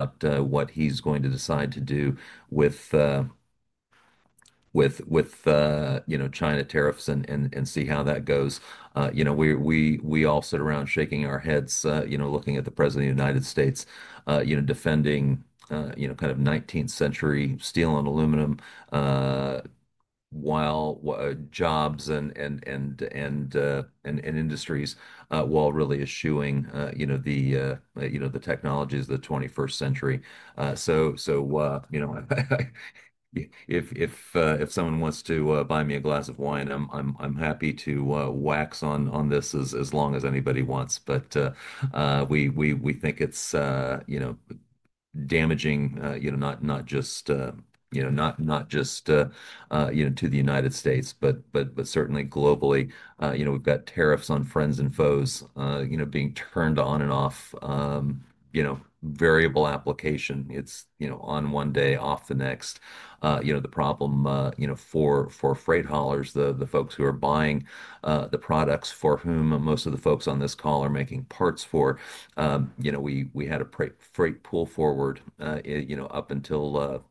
About what he's going to decide to do with, you know, China tariffs and see how that goes. You know, we all sit around shaking our heads, looking at the President of the United States, you know, defending kind of 19th-century steel and aluminum, while jobs and industries, while really eschewing, you know, the technologies of the 21st century. If someone wants to buy me a glass of wine, I'm happy to wax on this as long as anybody wants. We think it's, you know, damaging, you know, not just, you know, not just, you know, to the United States, but certainly globally, you know, we've got tariffs on friends and foes, you know, being turned on and off, you know, variable application. It's, you know, on one day, off the next. You know, the problem, you know, for freight haulers, the folks who are buying, the products for whom most of the folks on this call are making parts for, you know, we had a freight pull forward, you know, up until,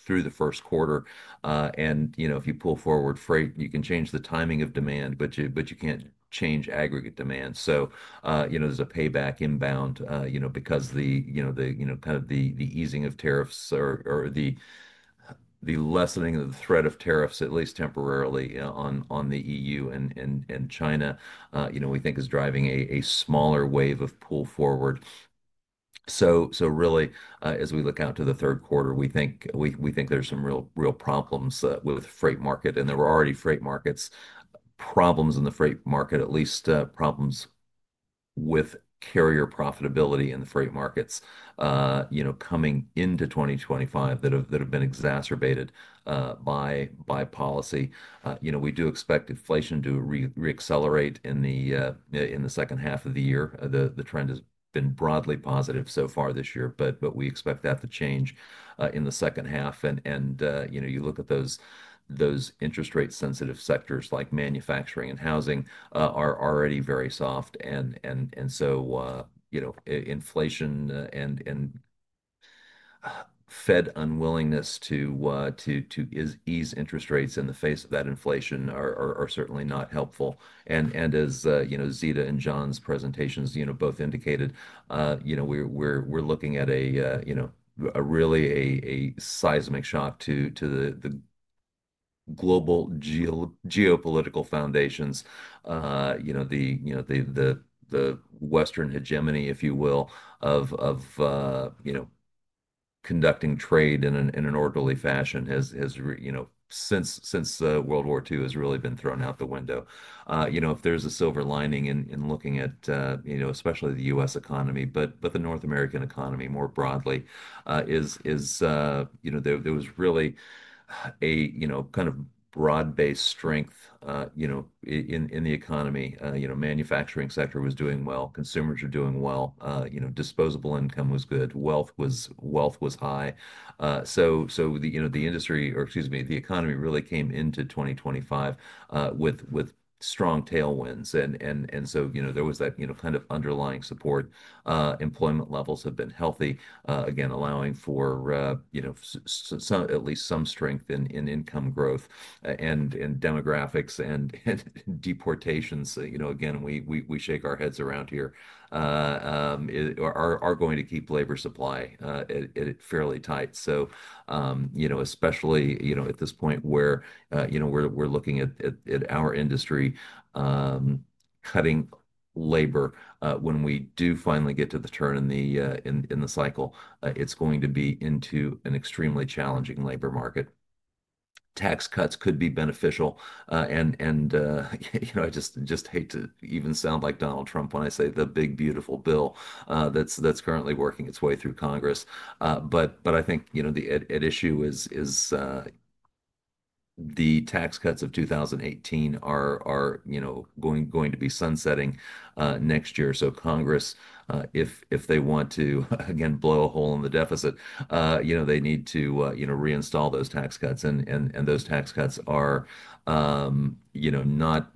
through the first quarter. And, you know, if you pull forward freight, you can change the timing of demand, but you can't change aggregate demand. You know, there's a payback inbound, you know, because the, you know, kind of the easing of tariffs or the lessening of the threat of tariffs, at least temporarily, on the EU and China, you know, we think is driving a smaller wave of pull forward. Really, as we look out to the third quarter, we think there's some real problems with the freight market, and there were already problems in the freight market, at least, problems with carrier profitability in the freight markets, you know, coming into 2025 that have been exacerbated by policy. You know, we do expect inflation to reaccelerate in the second half of the year. The trend has been broadly positive so far this year, but we expect that to change in the second half. You look at those interest rate-sensitive sectors like manufacturing and housing, are already very soft. Inflation and Fed unwillingness to ease interest rates in the face of that inflation are certainly not helpful. As Zita and John's presentations both indicated, we are looking at a really seismic shock to the global geopolitical foundations. The Western hegemony, if you will, of conducting trade in an orderly fashion has, since World War II, really been thrown out the window. You know, if there's a silver lining in looking at, you know, especially the U.S. economy, but the North American economy more broadly, is, you know, there was really a kind of broad-based strength in the economy. You know, the manufacturing sector was doing well. Consumers are doing well. You know, disposable income was good. Wealth was high. So the economy really came into 2025 with strong tailwinds. And so, you know, there was that kind of underlying support. Employment levels have been healthy, again, allowing for at least some strength in income growth and demographics and deportations. You know, again, we shake our heads around here, are going to keep labor supply at fairly tight. So, you know, especially, you know, at this point where, you know, we're looking at our industry cutting labor, when we do finally get to the turn in the cycle, it's going to be into an extremely challenging labor market. Tax cuts could be beneficial, and, you know, I just hate to even sound like Donald Trump when I say the big, beautiful bill that's currently working its way through Congress. I think, you know, the issue is, the tax cuts of 2018 are going to be sunsetting next year. Congress, if they want to, again, blow a hole in the deficit, they need to, you know, reinstall those tax cuts. And those tax cuts are, you know, not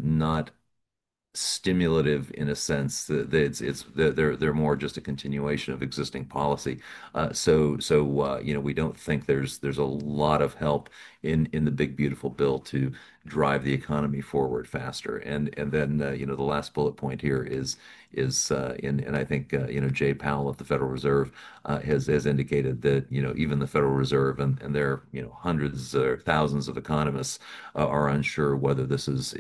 stimulative in a sense that it's that they're more just a continuation of existing policy. We don't think there's a lot of help in the big, beautiful bill to drive the economy forward faster. The last bullet point here is, and I think, you know, Jay Powell at the Federal Reserve has indicated that, you know, even the Federal Reserve and their, you know, hundreds or thousands of economists are unsure whether this is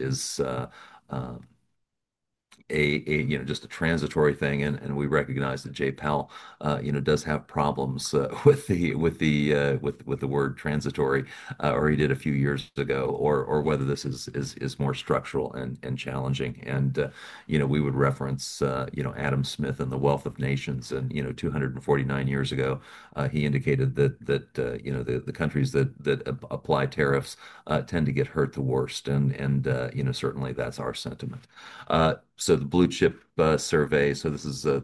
a, you know, just a transitory thing. We recognize that Jay Powell, you know, does have problems with the word transitory, or he did a few years ago, or whether this is more structural and challenging. You know, we would reference, you know, Adam Smith and The Wealth of Nations. You know, 249 years ago, he indicated that the countries that apply tariffs tend to get hurt the worst. Certainly, that is our sentiment. The Blue Chip Survey, this is a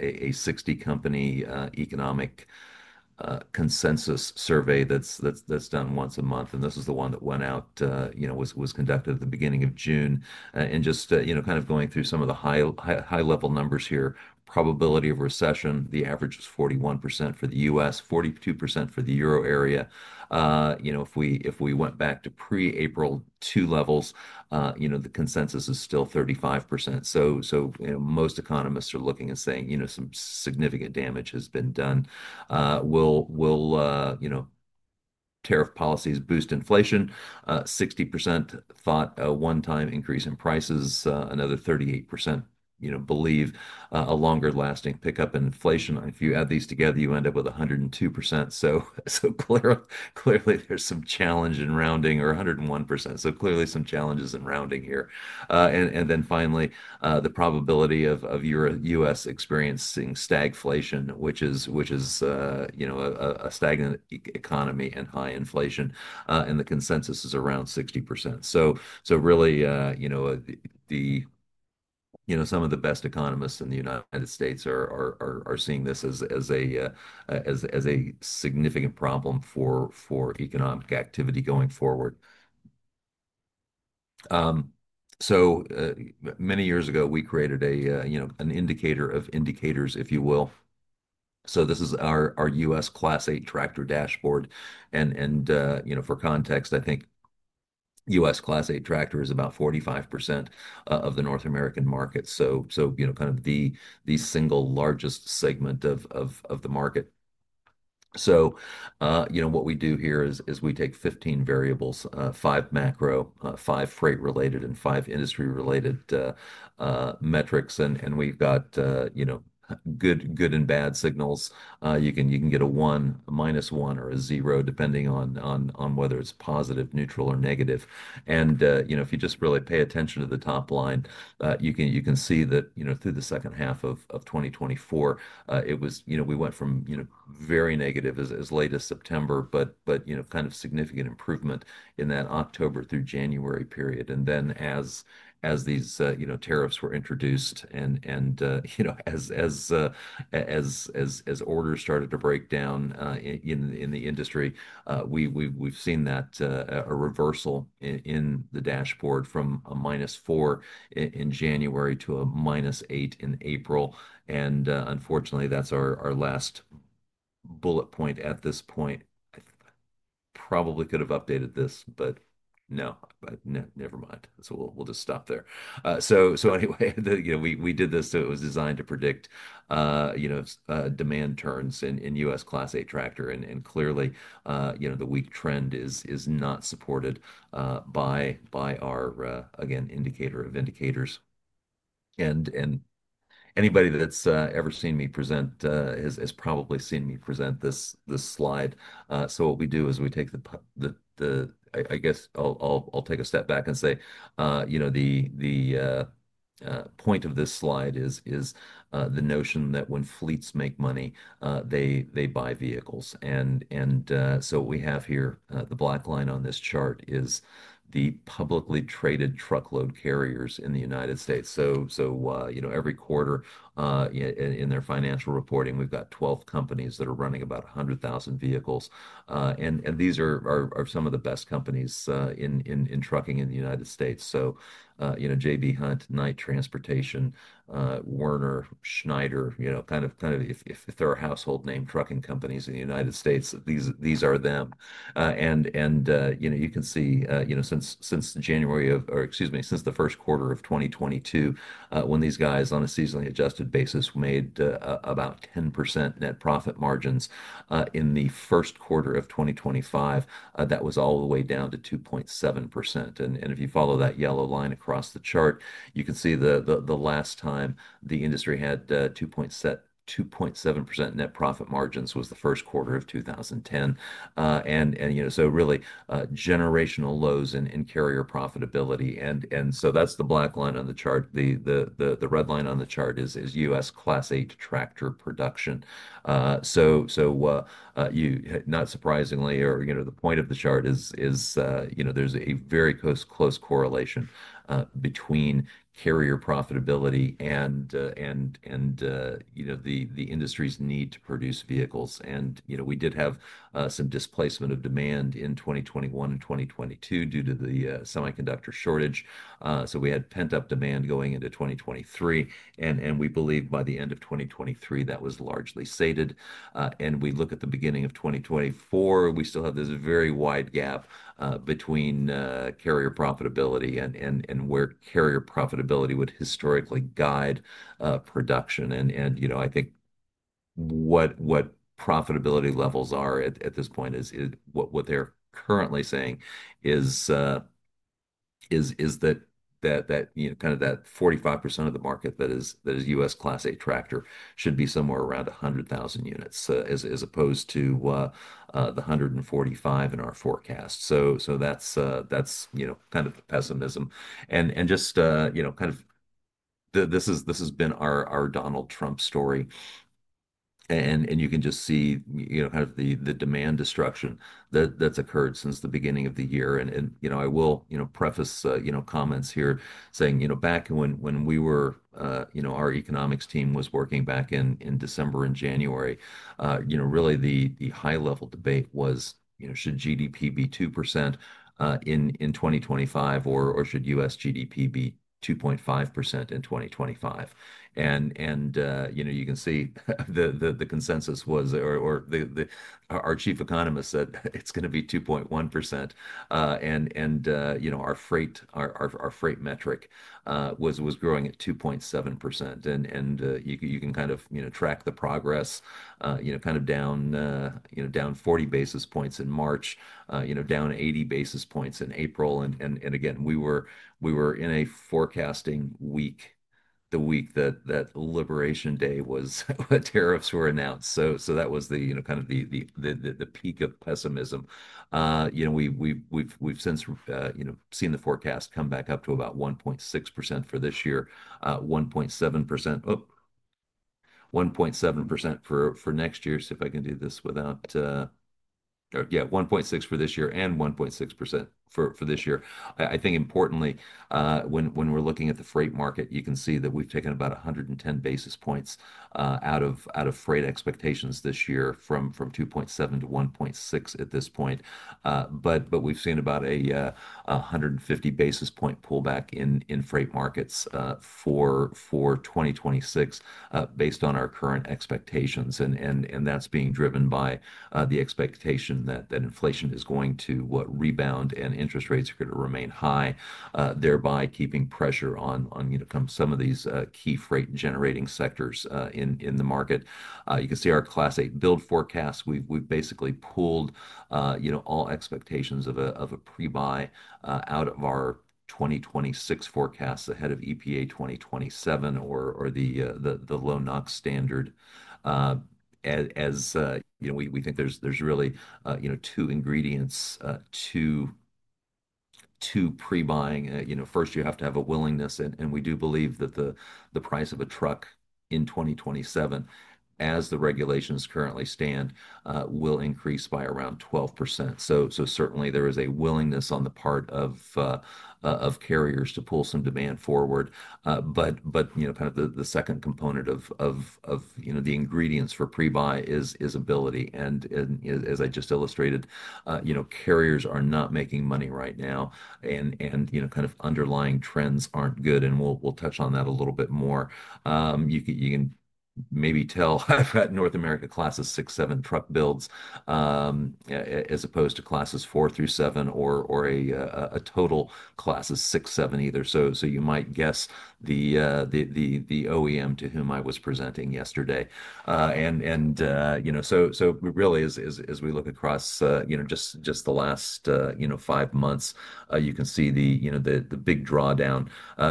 60-company economic consensus survey that is done once a month. This is the one that was conducted at the beginning of June. Just kind of going through some of the high-level numbers here. Probability of recession. The average was 41% for the U.S., 42% for the Euro area. You know, if we, if we went back to pre-April 2022 levels, you know, the consensus is still 35%. So, you know, most economists are looking and saying, you know, some significant damage has been done. We'll, you know, tariff policies boost inflation. 60% thought a one-time increase in prices. Another 38%, you know, believe a longer-lasting pickup in inflation. If you add these together, you end up with 102%. So, clearly, clearly there's some challenge in rounding or 101%. So clearly some challenges in rounding here. And then finally, the probability of your U.S. experiencing stagflation, which is, you know, a stagnant economy and high inflation. And the consensus is around 60%. So, really, you know, some of the best economists in the United States are seeing this as a significant problem for economic activity going forward. Many years ago we created a, you know, an indicator of indicators, if you will. This is our U.S. Class eight Tractor Dashboard. And, you know, for context, I think U.S. Class eight tractor is about 45% of the North American market. So, you know, kind of the single largest segment of the market. What we do here is we take 15 variables, five macro, five freight-related, and five industry-related metrics. And we've got, you know, good and bad signals. You can get a one, a minus one, or a zero, depending on whether it's positive, neutral, or negative. And, you know, if you just really pay attention to the top line, you can see that, you know, through the second half of 2024, it was, you know, we went from, you know, very negative as late as September, but, you know, kind of significant improvement in that October through January period. Then as these tariffs were introduced and, you know, as orders started to break down in the industry, we've seen a reversal in the dashboard from a minus four in January to a minus eight in April. Unfortunately, that's our last bullet point at this point. I probably could have updated this, but no, never mind. We'll just stop there. Anyway, you know, we did this. It was designed to predict, you know, demand turns in U.S. Class eight tractor. Clearly, you know, the weak trend is not supported by our, again, indicator of indicators. Anybody that's ever seen me present has probably seen me present this slide. What we do is we take the, I guess I'll take a step back and say, you know, the point of this slide is the notion that when fleets make money, they buy vehicles. What we have here, the black line on this chart is the publicly traded truckload carriers in the United States. You know, every quarter, in their financial reporting, we've got 12 companies that are running about 100,000 vehicles, and these are some of the best companies in trucking in the United States. You know, J.B. Hunt, Knight Transportation, Werner, Schneider, you know, kind of if there are household name trucking companies in the United States, these are them. You know, you can see, since the first quarter of 2022, when these guys on a seasonally adjusted basis made about 10% net profit margins, in the first quarter of 2025, that was all the way down to 2.7%. If you follow that yellow line across the chart, you can see the last time the industry had 2.7% net profit margins was the first quarter of 2010. You know, so really, generational lows in carrier profitability. That is the black line on the chart. The red line on the chart is U.S. Class eight tractor production. You know, the point of the chart is, you know, there is a very close correlation between carrier profitability and the industry's need to produce vehicles. We did have some displacement of demand in 2021 and 2022 due to the semiconductor shortage. We had pent-up demand going into 2023, and we believe by the end of 2023, that was largely sated. At the beginning of 2024, we still have this very wide gap between carrier profitability and where carrier profitability would historically guide production. I think what profitability levels are at this point is what they are currently saying, that kind of that 45% of the market that is U.S. Class eight tractor should be somewhere around 100,000 units as opposed to the 145,000 in our forecast. That is kind of the pessimism. This has been our Donald Trump story, and you can just see the demand destruction that has occurred since the beginning of the year. You know, I will preface comments here saying, you know, back when we were, you know, our economics team was working back in December and January, really the high-level debate was, you know, should GDP be 2% in 2025, or should U.S. GDP be 2.5% in 2025? You know, you can see the consensus was, or our chief economist said it's going to be 2.1%. You know, our freight metric was growing at 2.7%. You can kind of, you know, track the progress, kind of down, down 40 basis points in March, down 80 basis points in April. We were in a forecasting week, the week that Liberation Day was, tariffs were announced. That was the peak of pessimism. You know, we've since seen the forecast come back up to about 1.6% for this year, 1.7%, oh, 1.7% for next year. If I can do this without, or yeah, 1.6 for this year and 1.6% for this year. I think importantly, when we're looking at the freight market, you can see that we've taken about 110 basis points out of freight expectations this year from 2.7% to 1.6% at this point. We've seen about a 150 basis point pullback in freight markets for 2026, based on our current expectations. That is being driven by the expectation that inflation is going to rebound and interest rates are going to remain high, thereby keeping pressure on some of these key freight generating sectors in the market. You can see our Class eight build forecast. We have basically pulled all expectations of a pre-buy out of our 2026 forecasts ahead of EPA 2027 or the low NOx standard, as we think there are really two ingredients to pre-buying. You know, first you have to have a willingness, and we do believe that the price of a truck in 2027, as the regulations currently stand, will increase by around 12%. So certainly there is a willingness on the part of carriers to pull some demand forward. But, you know, kind of the second component of, you know, the ingredients for pre-buy is ability. And as I just illustrated, carriers are not making money right now and, you know, kind of underlying trends aren't good. We'll touch on that a little bit more. You can maybe tell I've got North America Class six, seven truck builds, as opposed to Classes four through seven or a total Class six, seven either. You might guess the OEM to whom I was presenting yesterday. And, you know, really as we look across just the last five months, you can see the big drawdown.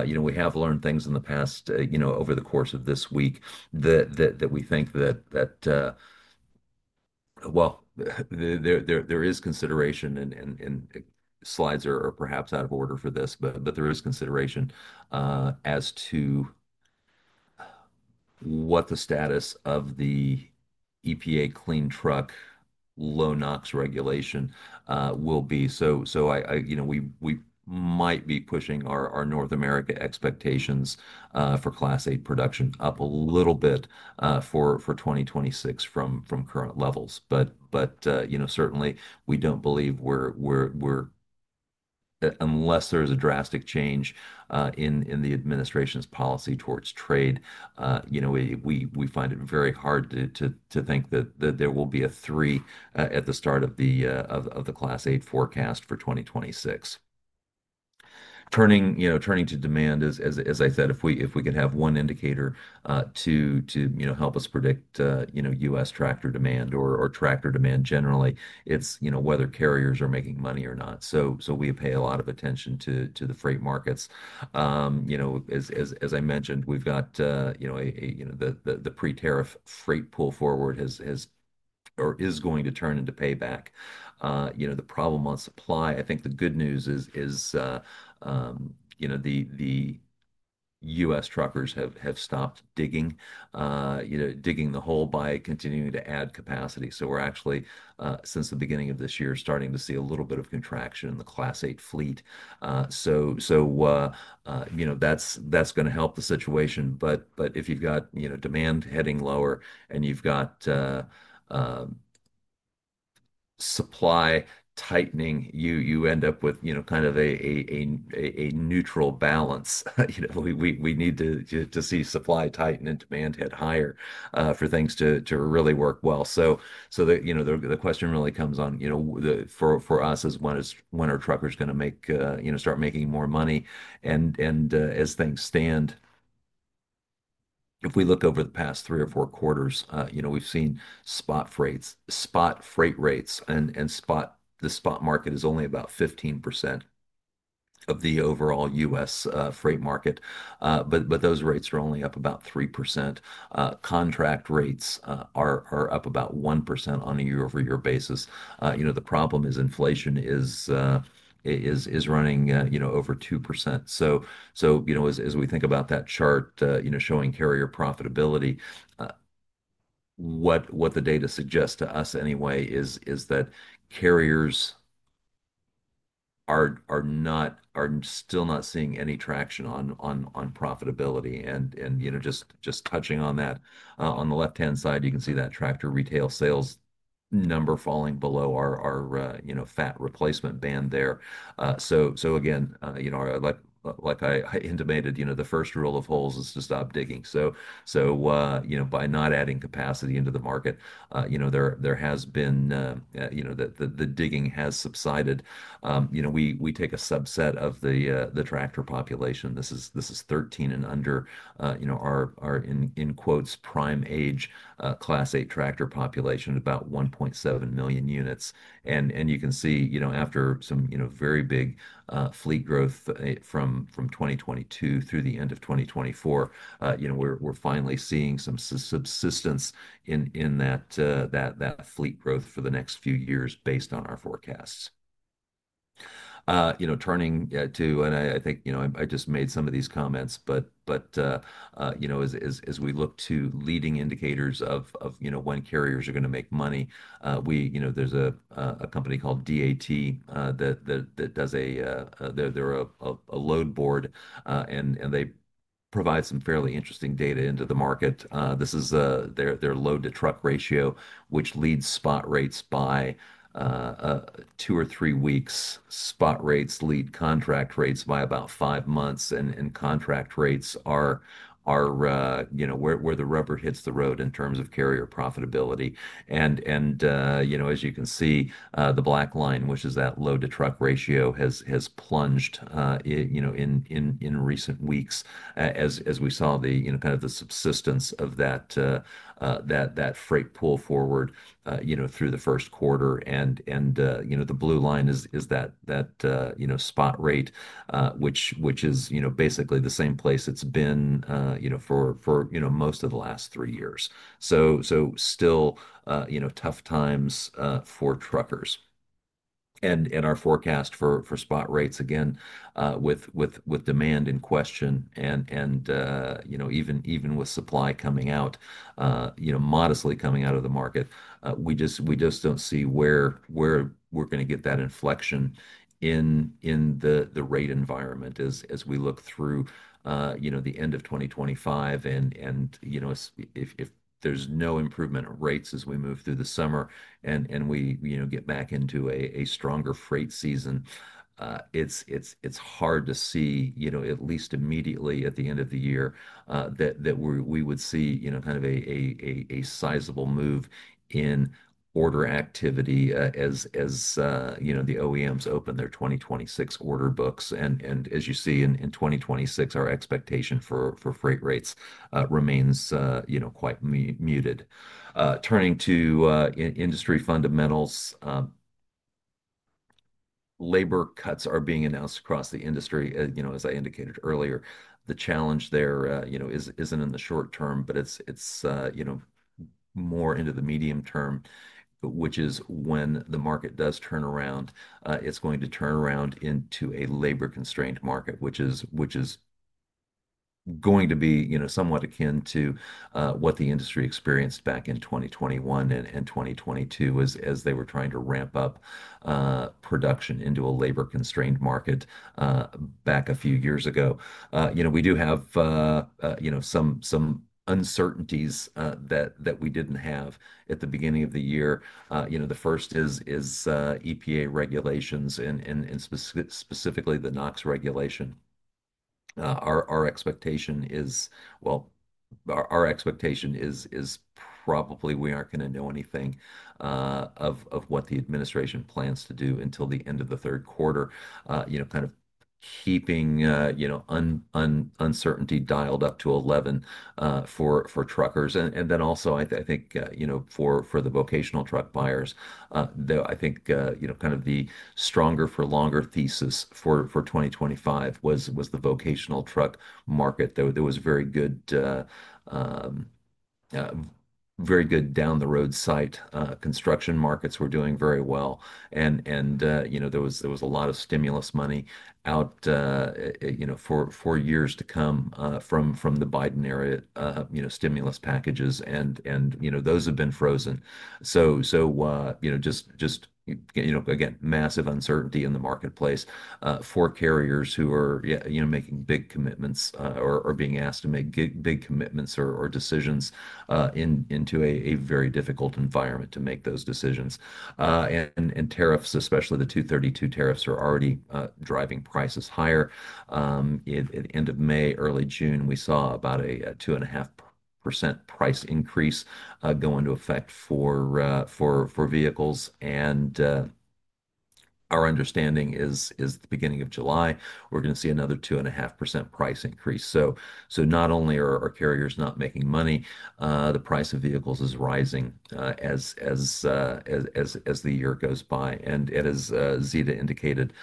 You know, we have learned things in the past, you know, over the course of this week that we think that, well, there is consideration, and slides are perhaps out of order for this, but there is consideration as to what the status of the EPA clean truck low NOx regulation will be. I, you know, we might be pushing our North America expectations for Class eight production up a little bit for 2026 from current levels. Certainly, we do not believe we are, unless there is a drastic change in the administration's policy towards trade, you know, we find it very hard to think that there will be a three at the start of the Class 8 forecast for 2026. Turning to demand, as I said, if we could have one indicator to help us predict U.S. tractor demand or tractor demand generally, it's whether carriers are making money or not. We pay a lot of attention to the freight markets. As I mentioned, we've got the pre-tariff freight pull forward has, or is going to, turn into payback. The problem on supply, I think the good news is the U.S. truckers have stopped digging the hole by continuing to add capacity. We're actually, since the beginning of this year, starting to see a little bit of contraction in the Class 8 fleet. So, you know, that's going to help the situation. If you've got demand heading lower and you've got supply tightening, you end up with kind of a neutral balance. We need to see supply tighten and demand head higher for things to really work well. The question really comes on, for us, as when are truckers going to start making more money? As things stand, if we look over the past three or four quarters, we've seen spot freight rates, and the spot market is only about 15% of the overall U.S. freight market, but those rates are only up about 3%. Contract rates are up about 1% on a year-over-year basis. You know, the problem is inflation is running, you know, over 2%. As we think about that chart, you know, showing carrier profitability, what the data suggests to us anyway is that carriers are not, are still not seeing any traction on profitability. Just touching on that, on the left-hand side, you can see that tractor retail sales number falling below our, you know, fat replacement band there. Again, you know, like I intimated, you know, the first rule of holes is to stop digging. By not adding capacity into the market, there has been, you know, the digging has subsided. You know, we take a subset of the tractor population. This is 13 and under, you know, our, in quotes, prime age, Class 8 tractor population, about 1.7 million units. You can see, after some very big fleet growth from 2022 through the end of 2024, we're finally seeing some subsistence in that fleet growth for the next few years based on our forecasts. You know, turning to, and I think, you know, I just made some of these comments, but, you know, as we look to leading indicators of, you know, when carriers are going to make money, we, you know, there's a company called DAT that does a, they're a load board, and they provide some fairly interesting data into the market. This is their load to truck ratio, which leads spot rates by two or three weeks. Spot rates lead contract rates by about five months. Contract rates are, you know, where the rubber hits the road in terms of carrier profitability. You know, as you can see, the black line, which is that load to truck ratio, has plunged in recent weeks, as we saw the subsistence of that freight pull forward through the first quarter. You know, the blue line is that spot rate, which is basically the same place it has been for most of the last three years. Still, tough times for truckers. Our forecast for spot rates, with demand in question and, you know, even with supply coming out, modestly coming out of the market, we just do not see where we are going to get that inflection in the rate environment as we look through the end of 2025. If there is no improvement in rates as we move through the summer and we get back into a stronger freight season, it is hard to see, at least immediately at the end of the year, that we would see kind of a sizable move in order activity as the OEMs open their 2026 order books. As you see in 2026, our expectation for freight rates remains, you know, quite muted. Turning to industry fundamentals, labor cuts are being announced across the industry. You know, as I indicated earlier, the challenge there, you know, is not in the short term, but it is, you know, more into the medium term, which is when the market does turn around, it is going to turn around into a labor constrained market, which is, you know, somewhat akin to what the industry experienced back in 2021 and 2022 as they were trying to ramp up production into a labor constrained market back a few years ago. You know, we do have, you know, some uncertainties that we did not have at the beginning of the year. You know, the first is EPA regulations and specifically the NOx regulation. Our expectation is, well, our expectation is probably we aren't going to know anything of what the administration plans to do until the end of the third quarter, you know, kind of keeping uncertainty dialed up to 11 for truckers. I think, you know, for the vocational truck buyers, though, I think kind of the stronger for longer thesis for 2025 was the vocational truck market. There was very good, very good down the road sight, construction markets were doing very well. You know, there was a lot of stimulus money out for years to come from the Biden era, you know, stimulus packages, and those have been frozen. Just, you know, again, massive uncertainty in the marketplace for carriers who are making big commitments or being asked to make big, big commitments or decisions into a very difficult environment to make those decisions. Tariffs, especially the 232 tariffs, are already driving prices higher. At the end of May, early June, we saw about a 2.5% price increase go into effect for vehicles. Our understanding is the beginning of July, we're going to see another 2.5% price increase. Not only are carriers not making money, the price of vehicles is rising as the year goes by. As Zita indicated,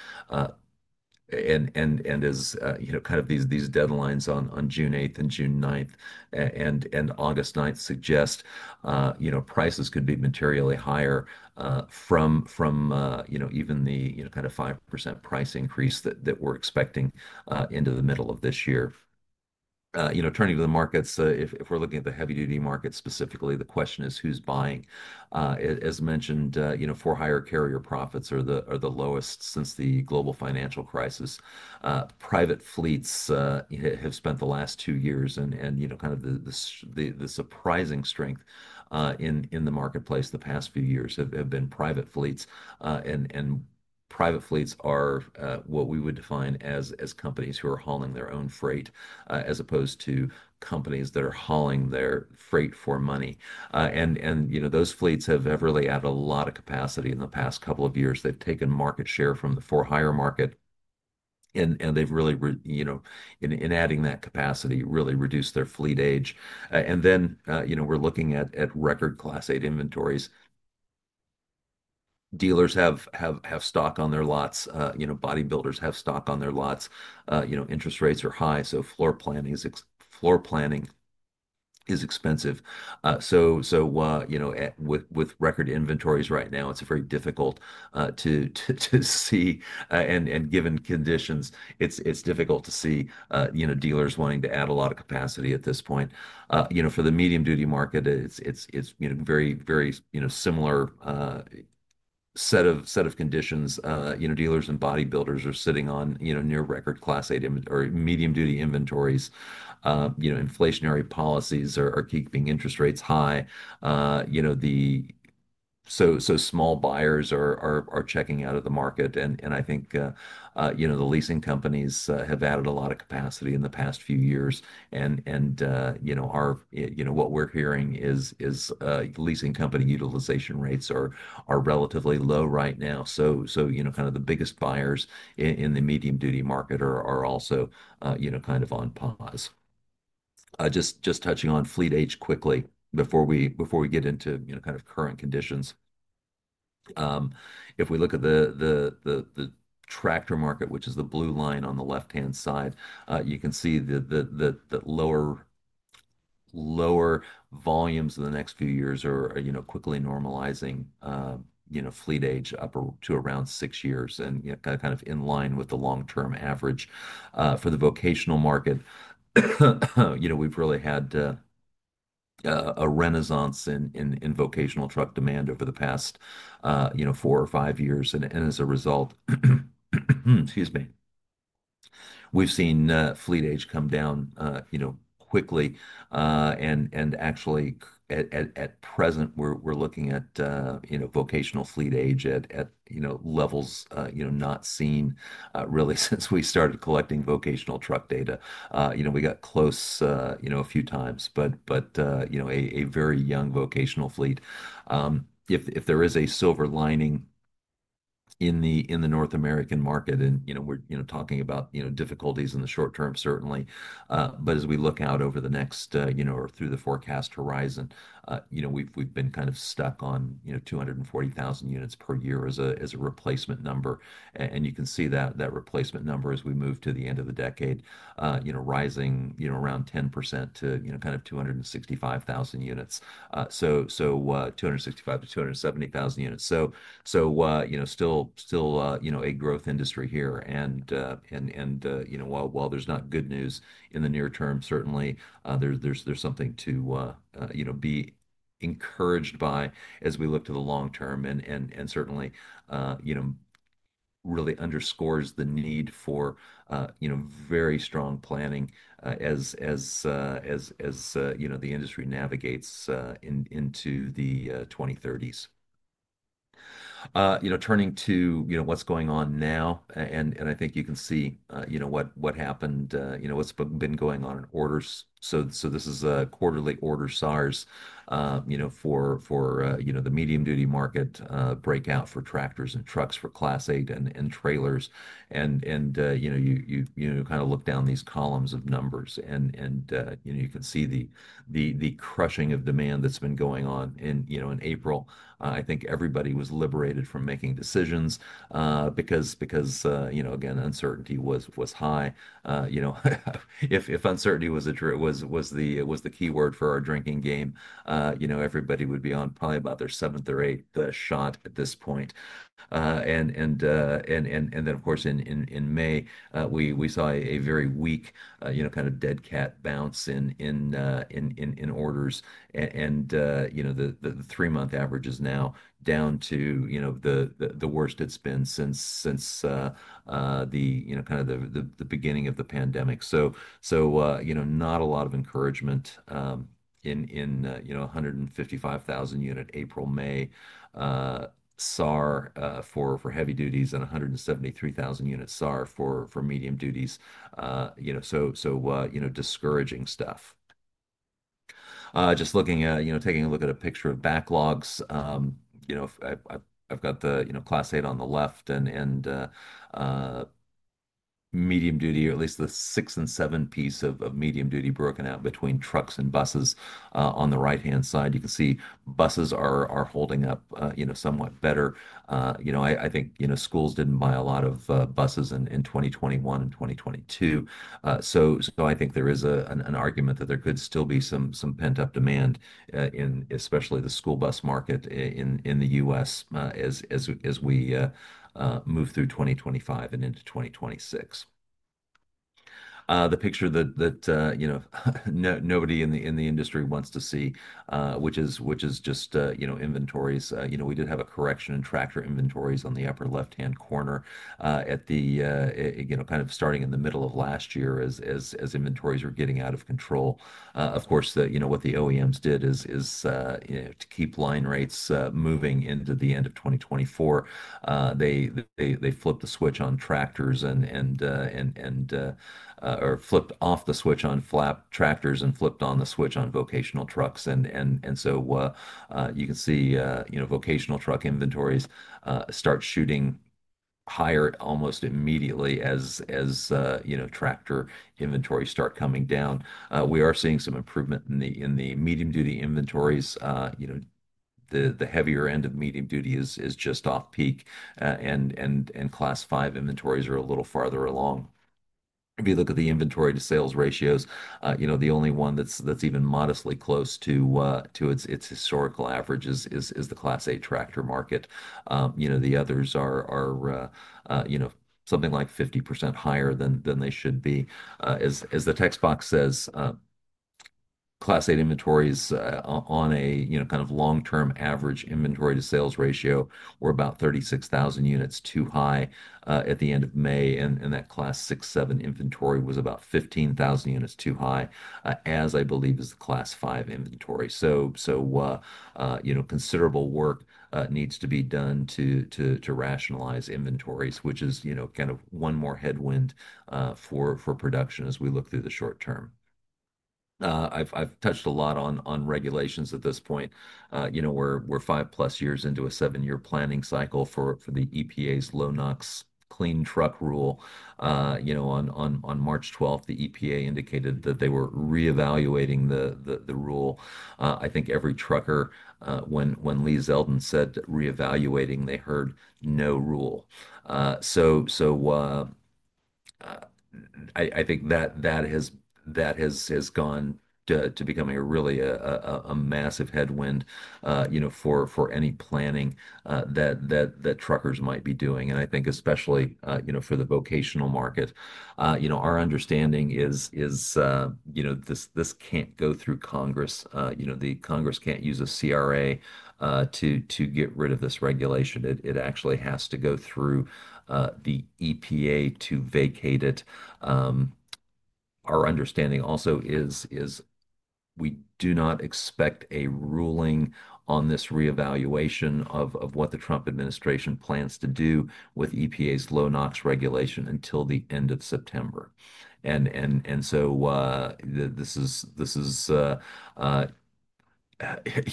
and as these deadlines on June 8 and June 9, and August 9 suggest, prices could be materially higher from even the 5% price increase that we're expecting into the middle of this year. Turning to the markets, if we're looking at the heavy duty market specifically, the question is who's buying, as mentioned, for higher carrier profits are the lowest since the global financial crisis. Private fleets have spent the last two years, and, you know, kind of the surprising strength in the marketplace the past few years have been private fleets. Private fleets are what we would define as companies who are hauling their own freight, as opposed to companies that are hauling freight for money. You know, those fleets have really added a lot of capacity in the past couple of years. They have taken market share from the for-hire market, and they have really, in adding that capacity, reduced their fleet age. You know, we are looking at record Class eight inventories. Dealers have stock on their lots. You know, bodybuilders have stock on their lots. You know, interest rates are high, so floor planning is expensive. So, you know, with record inventories right now, it's very difficult to see, and given conditions, it's difficult to see, you know, dealers wanting to add a lot of capacity at this point. You know, for the medium duty market, it's, you know, very, very similar set of conditions. You know, dealers and bodybuilders are sitting on near record Class eight or medium duty inventories. You know, inflationary policies are keeping interest rates high. The small buyers are checking out of the market. I think, you know, the leasing companies have added a lot of capacity in the past few years. You know, what we're hearing is leasing company utilization rates are relatively low right now. You know, kind of the biggest buyers in the medium duty market are also, you know, kind of on pause. Just touching on fleet age quickly before we get into, you know, kind of current conditions. If we look at the tractor market, which is the blue line on the left-hand side, you can see the lower volumes in the next few years are, you know, quickly normalizing, fleet age up to around six years and, you know, kind of in line with the long-term average for the vocational market. You know, we've really had a renaissance in vocational truck demand over the past four or five years. As a result, excuse me, we've seen fleet age come down quickly. And actually at present, we're looking at, you know, vocational fleet age at, you know, levels, you know, not seen really since we started collecting vocational truck data. You know, we got close a few times, but, you know, a very young vocational fleet. If there is a silver lining in the North American market and, you know, we're talking about, you know, difficulties in the short term, certainly. As we look out over the next, you know, or through the forecast horizon, you know, we've been kind of stuck on 240,000 units per year as a replacement number. You can see that replacement number as we move to the end of the decade rising around 10% to kind of 265,000 units, 265,000-270,000 units. You know, still a growth industry here and, you know, while there's not good news in the near term, certainly there's something to be encouraged by as we look to the long term and certainly, you know, really underscores the need for very strong planning as the industry navigates into the 2030s. You know, turning to what's going on now, I think you can see what happened, what's been going on in orders. This is a quarterly order SARS, you know, for the medium duty market, breakout for tractors and trucks for Class 8 and trailers. You know, you kind of look down these columns of numbers and, you know, you can see the crushing of demand that's been going on in April. I think everybody was liberated from making decisions, because, you know, again, uncertainty was high. You know, if uncertainty was a true, it was the key word for our drinking game, you know, everybody would be on probably about their seventh or eighth shot at this point. And then of course in May, we saw a very weak, you know, kind of dead cat bounce in orders. You know, the three-month average is now down to, you know, the worst it's been since, you know, kind of the beginning of the pandemic. You know, not a lot of encouragement, you know, 155,000 unit April-May SAR for heavy duties and 173,000 unit SAR for medium duties. You know, discouraging stuff. Just looking at, you know, taking a look at a picture of backlogs. You know, I've got the, you know, Class eight on the left and medium duty, or at least the six and seven piece of medium duty broken out between trucks and buses. On the right-hand side, you can see buses are holding up somewhat better. You know, I think, you know, schools did not buy a lot of buses in 2021 and 2022. I think there is an argument that there could still be some pent-up demand, especially in the school bus market in the U.S., as we move through 2025 and into 2026. The picture that nobody in the industry wants to see, which is just, you know, inventories. You know, we did have a correction in tractor inventories on the upper left-hand corner, at the, you know, kind of starting in the middle of last year as inventories were getting out of control. Of course, what the OEMs did is, you know, to keep line rates moving into the end of 2024, they flipped the switch on tractors and flipped off the switch on tractors and flipped on the switch on vocational trucks. You can see vocational truck inventories start shooting higher almost immediately as tractor inventory starts coming down. We are seeing some improvement in the medium duty inventories. You know, the heavier end of medium duty is just off peak. Class 5 inventories are a little farther along. If you look at the inventory to sales ratios, the only one that's even modestly close to its historical average is the Class eight tractor market. The others are something like 50% higher than they should be. As the text box says, Class 8 inventories, on a kind of long-term average inventory to sales ratio, were about 36,000 units too high at the end of May. That Class six, 7 inventory was about 15,000 units too high, as I believe is the Class five inventory. Considerable work needs to be done to rationalize inventories, which is kind of one more headwind for production as we look through the short term. I've touched a lot on regulations at this point. You know, we're five plus years into a seven-year planning cycle for the EPA's low NOx clean truck rule. On March 12th, the EPA indicated that they were re-evaluating the rule. I think every trucker, when Lee Zeldin said reevaluating, they heard no rule. I think that has gone to becoming a really massive headwind for any planning that truckers might be doing. I think especially for the vocational market, our understanding is this can't go through Congress. The Congress can't use a CRA to get rid of this regulation. It actually has to go through the EPA to vacate it. Our understanding also is we do not expect a ruling on this reevaluation of what the Trump administration plans to do with EPA's low NOx regulation until the end of September. This is,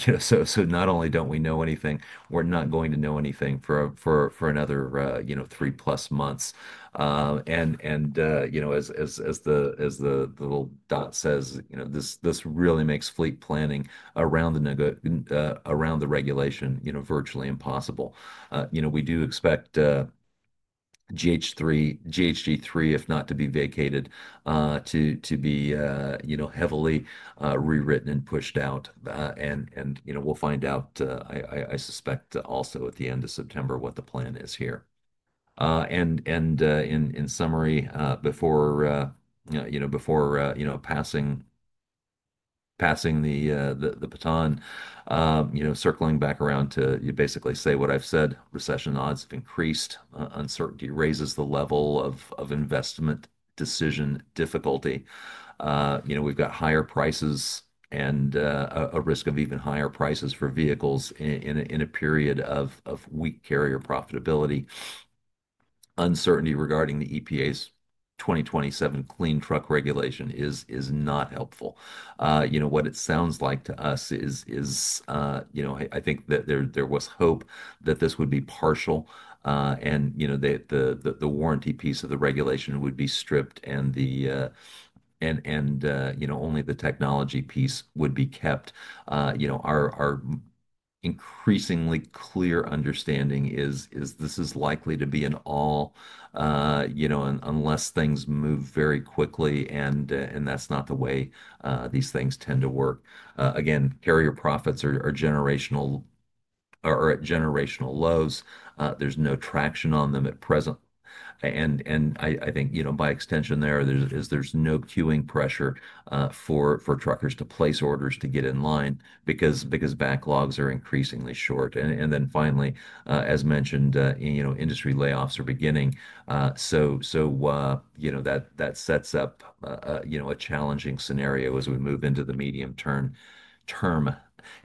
you know, not only don't we know anything, we're not going to know anything for another three plus months. You know, as the little dot says, this really makes fleet planning around the regulation virtually impossible. We do expect GHG3, if not to be vacated, to be heavily rewritten and pushed out. And, you know, we'll find out, I suspect also at the end of September what the plan is here. In summary, before, you know, passing the baton, circling back around to basically say what I've said, recession odds have increased, uncertainty raises the level of investment decision difficulty. You know, we've got higher prices and a risk of even higher prices for vehicles in a period of weak carrier profitability. Uncertainty regarding the EPA 2027 clean truck regulation is not helpful. You know, what it sounds like to us is, I think that there was hope that this would be partial. And, you know, the warranty piece of the regulation would be stripped and, you know, only the technology piece would be kept. You know, our increasingly clear understanding is this is likely to be an all, you know, unless things move very quickly, and that's not the way these things tend to work. Again, carrier profits are generational or at generational lows. There's no traction on them at present. I think, you know, by extension, there's no queuing pressure for truckers to place orders to get in line because backlogs are increasingly short. And then finally, as mentioned, you know, industry layoffs are beginning. So, you know, that sets up a challenging scenario as we move into the medium term.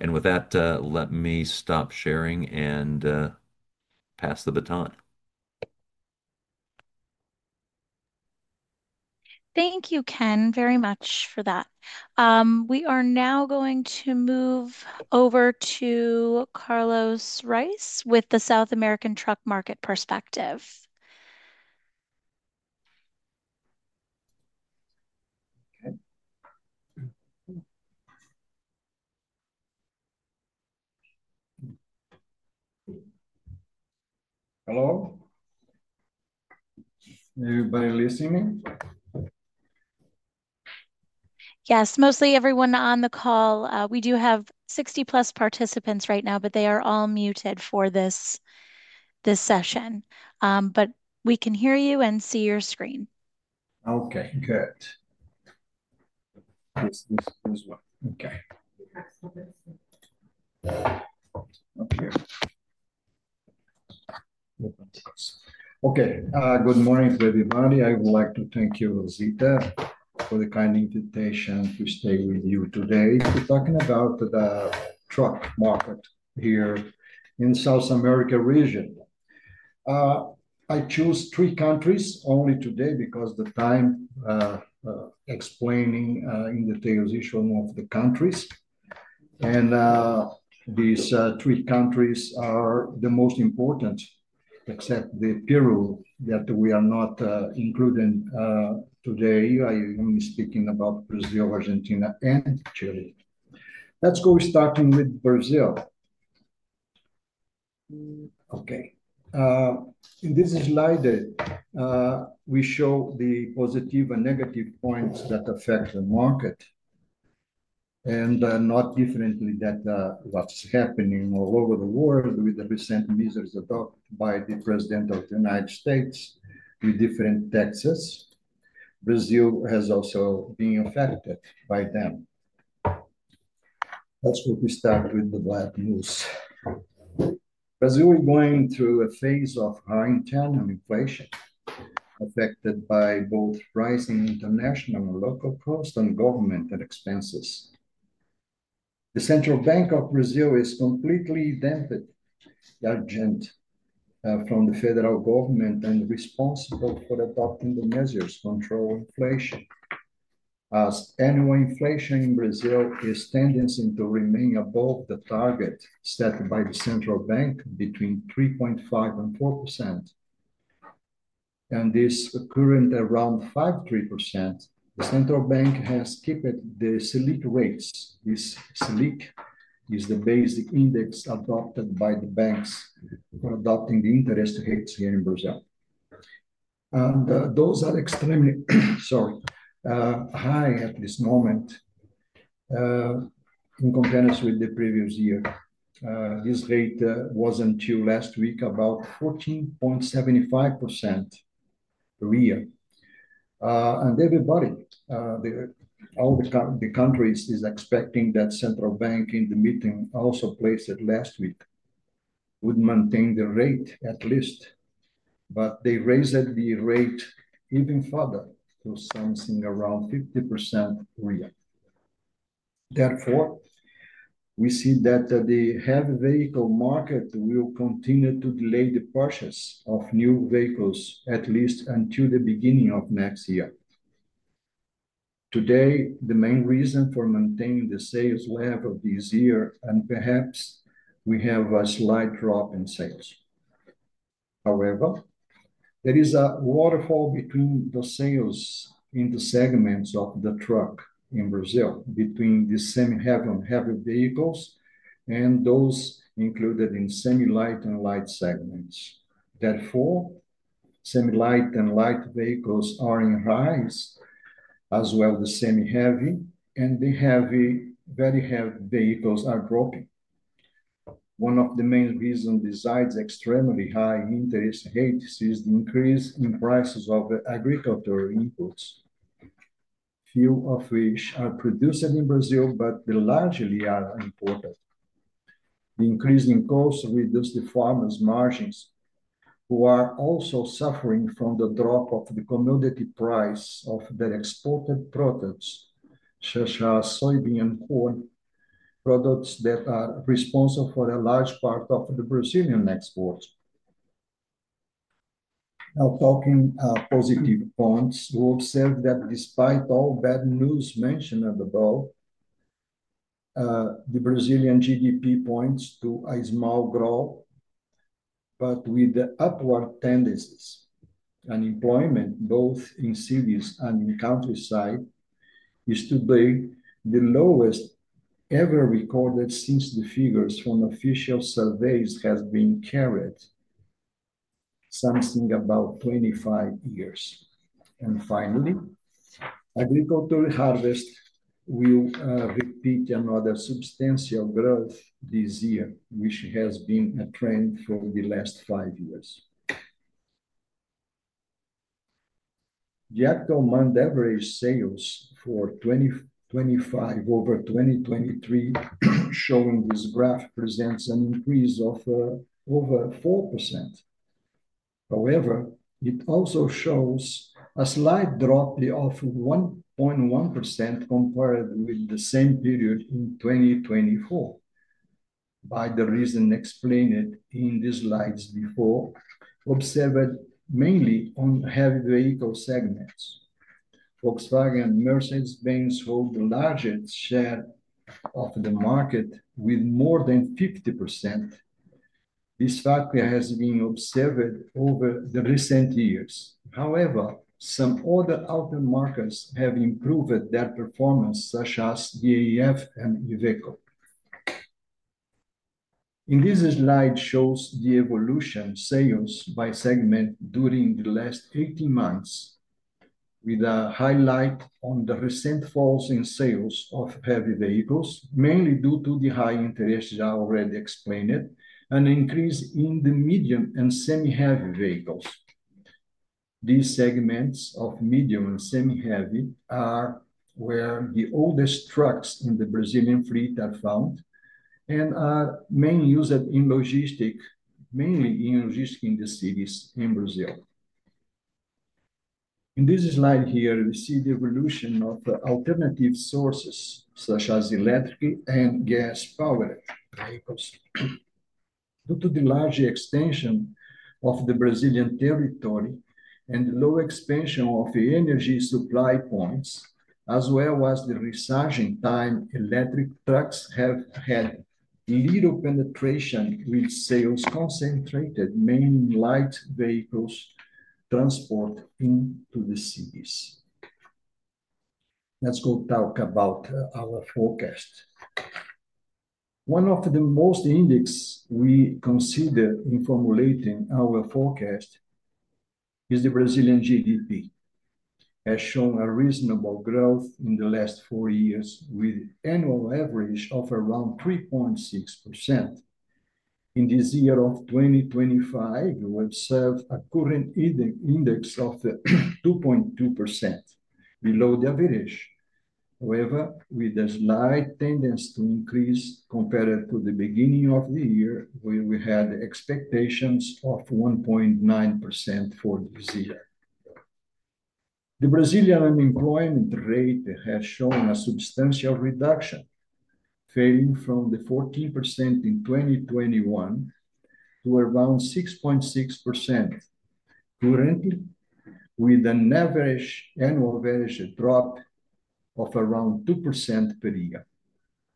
With that, let me stop sharing and pass the baton. Thank you, Ken, very much for that. We are now going to move over to Carlos Rice with the South American truck market perspective. Okay. Hello? Everybody listening? Yes, mostly everyone on the call. We do have 60 plus participants right now, but they are all muted for this session. We can hear you and see your screen. Okay, good. This is what, okay. Okay. Okay, good morning, everybody. I would like to thank you, Rosita, for the kind invitation to stay with you today. We're talking about the truck market here in the South America region. I chose three countries only today because of the time, explaining in detail the issue of the countries. These three countries are the most important, except the period that we are not including today. I am speaking about Brazil, Argentina, and Chile. Let's go starting with Brazil. Okay. In this slide, we show the positive and negative points that affect the market. Not differently than what's happening all over the world with the recent measures adopted by the President of the United States with different taxes, Brazil has also been affected by them. Let's start with the black news. Brazil is going through a phase of high internal inflation affected by both rising international and local costs and government expenses. The Central Bank of Brazil is completely indebted, urgent, from the federal government and responsible for adopting the measures to control inflation. As annual inflation in Brazil is tendency to remain above the target set by the Central Bank between 3.5% and 4%, and this occurring around 5.3%, the Central Bank has keep it the SELIC rates. This SELIC is the basic index adopted by the banks for adopting the interest rates here in Brazil. Those are extremely, sorry, high at this moment, in comparison with the previous year. This rate was until last week about 14.75% per year. Everybody, all the countries, is expecting that Central Bank in the meeting also placed it last week would maintain the rate at least, but they raised the rate even further to something around BRL 15%. Therefore, we see that the heavy vehicle market will continue to delay the purchase of new vehicles at least until the beginning of next year. Today, the main reason for maintaining the sales level this year and perhaps we have a slight drop in sales. However, there is a waterfall between the sales in the segments of the truck in Brazil between the semi-heavy and heavy vehicles and those included in semi-light and light segments. Therefore, semi-light and light vehicles are in rise, as well as the semi-heavy and the heavy, very heavy vehicles are broken. One of the main reasons besides extremely high interest rates is the increase in prices of agricultural inputs, few of which are produced in Brazil, but they largely are imported. The increasing costs reduce the farmers' margins who are also suffering from the drop of the commodity price of their exported products, such as soybean and corn, products that are responsible for a large part of the Brazilian exports. Now, talking positive points, we'll say that despite all bad news mentioned above, the Brazilian GDP points to a small growth, but with the upward tendencies, unemployment both in cities and in countryside is today the lowest ever recorded since the figures from official surveys have been carried, something about 25 years. Finally, agricultural harvest will repeat another substantial growth this year, which has been a trend for the last five years. The actual month average sales for 2025 over 2023 showing this graph presents an increase of over 4%. However, it also shows a slight drop of 1.1% compared with the same period in 2024 by the reason explained in these slides before, observed mainly on heavy vehicle segments. Volkswagen and Mercedes-Benz hold the largest share of the market with more than 50%. This factor has been observed over the recent years. However, some other outer markers have improved their performance, such as DAF and Iveco. In this slide shows the evolution sales by segment during the last 18 months, with a highlight on the recent falls in sales of heavy vehicles, mainly due to the high interest I already explained, and an increase in the medium and semi-heavy vehicles. These segments of medium and semi-heavy are where the oldest trucks in the Brazilian fleet are found and are mainly used in logistic, mainly in logistic in the cities in Brazil. In this slide here, we see the evolution of alternative sources such as electric and gas powered vehicles. Due to the large extension of the Brazilian territory and the low expansion of the energy supply points, as well as the resurging time, electric trucks have had little penetration with sales concentrated mainly in light vehicles transport into the cities. Let's go talk about our forecast. One of the most index we consider in formulating our forecast is the Brazilian GDP, as shown a reasonable growth in the last four years with annual average of around 3.6%. In this year of 2025, we observe a current index of 2.2% below the average. However, with a slight tendency to increase compared to the beginning of the year where we had expectations of 1.9% for this year. The Brazilian unemployment rate has shown a substantial reduction, fading from the 14% in 2021 to around 6.6% currently, with an average annual average drop of around 2% per year.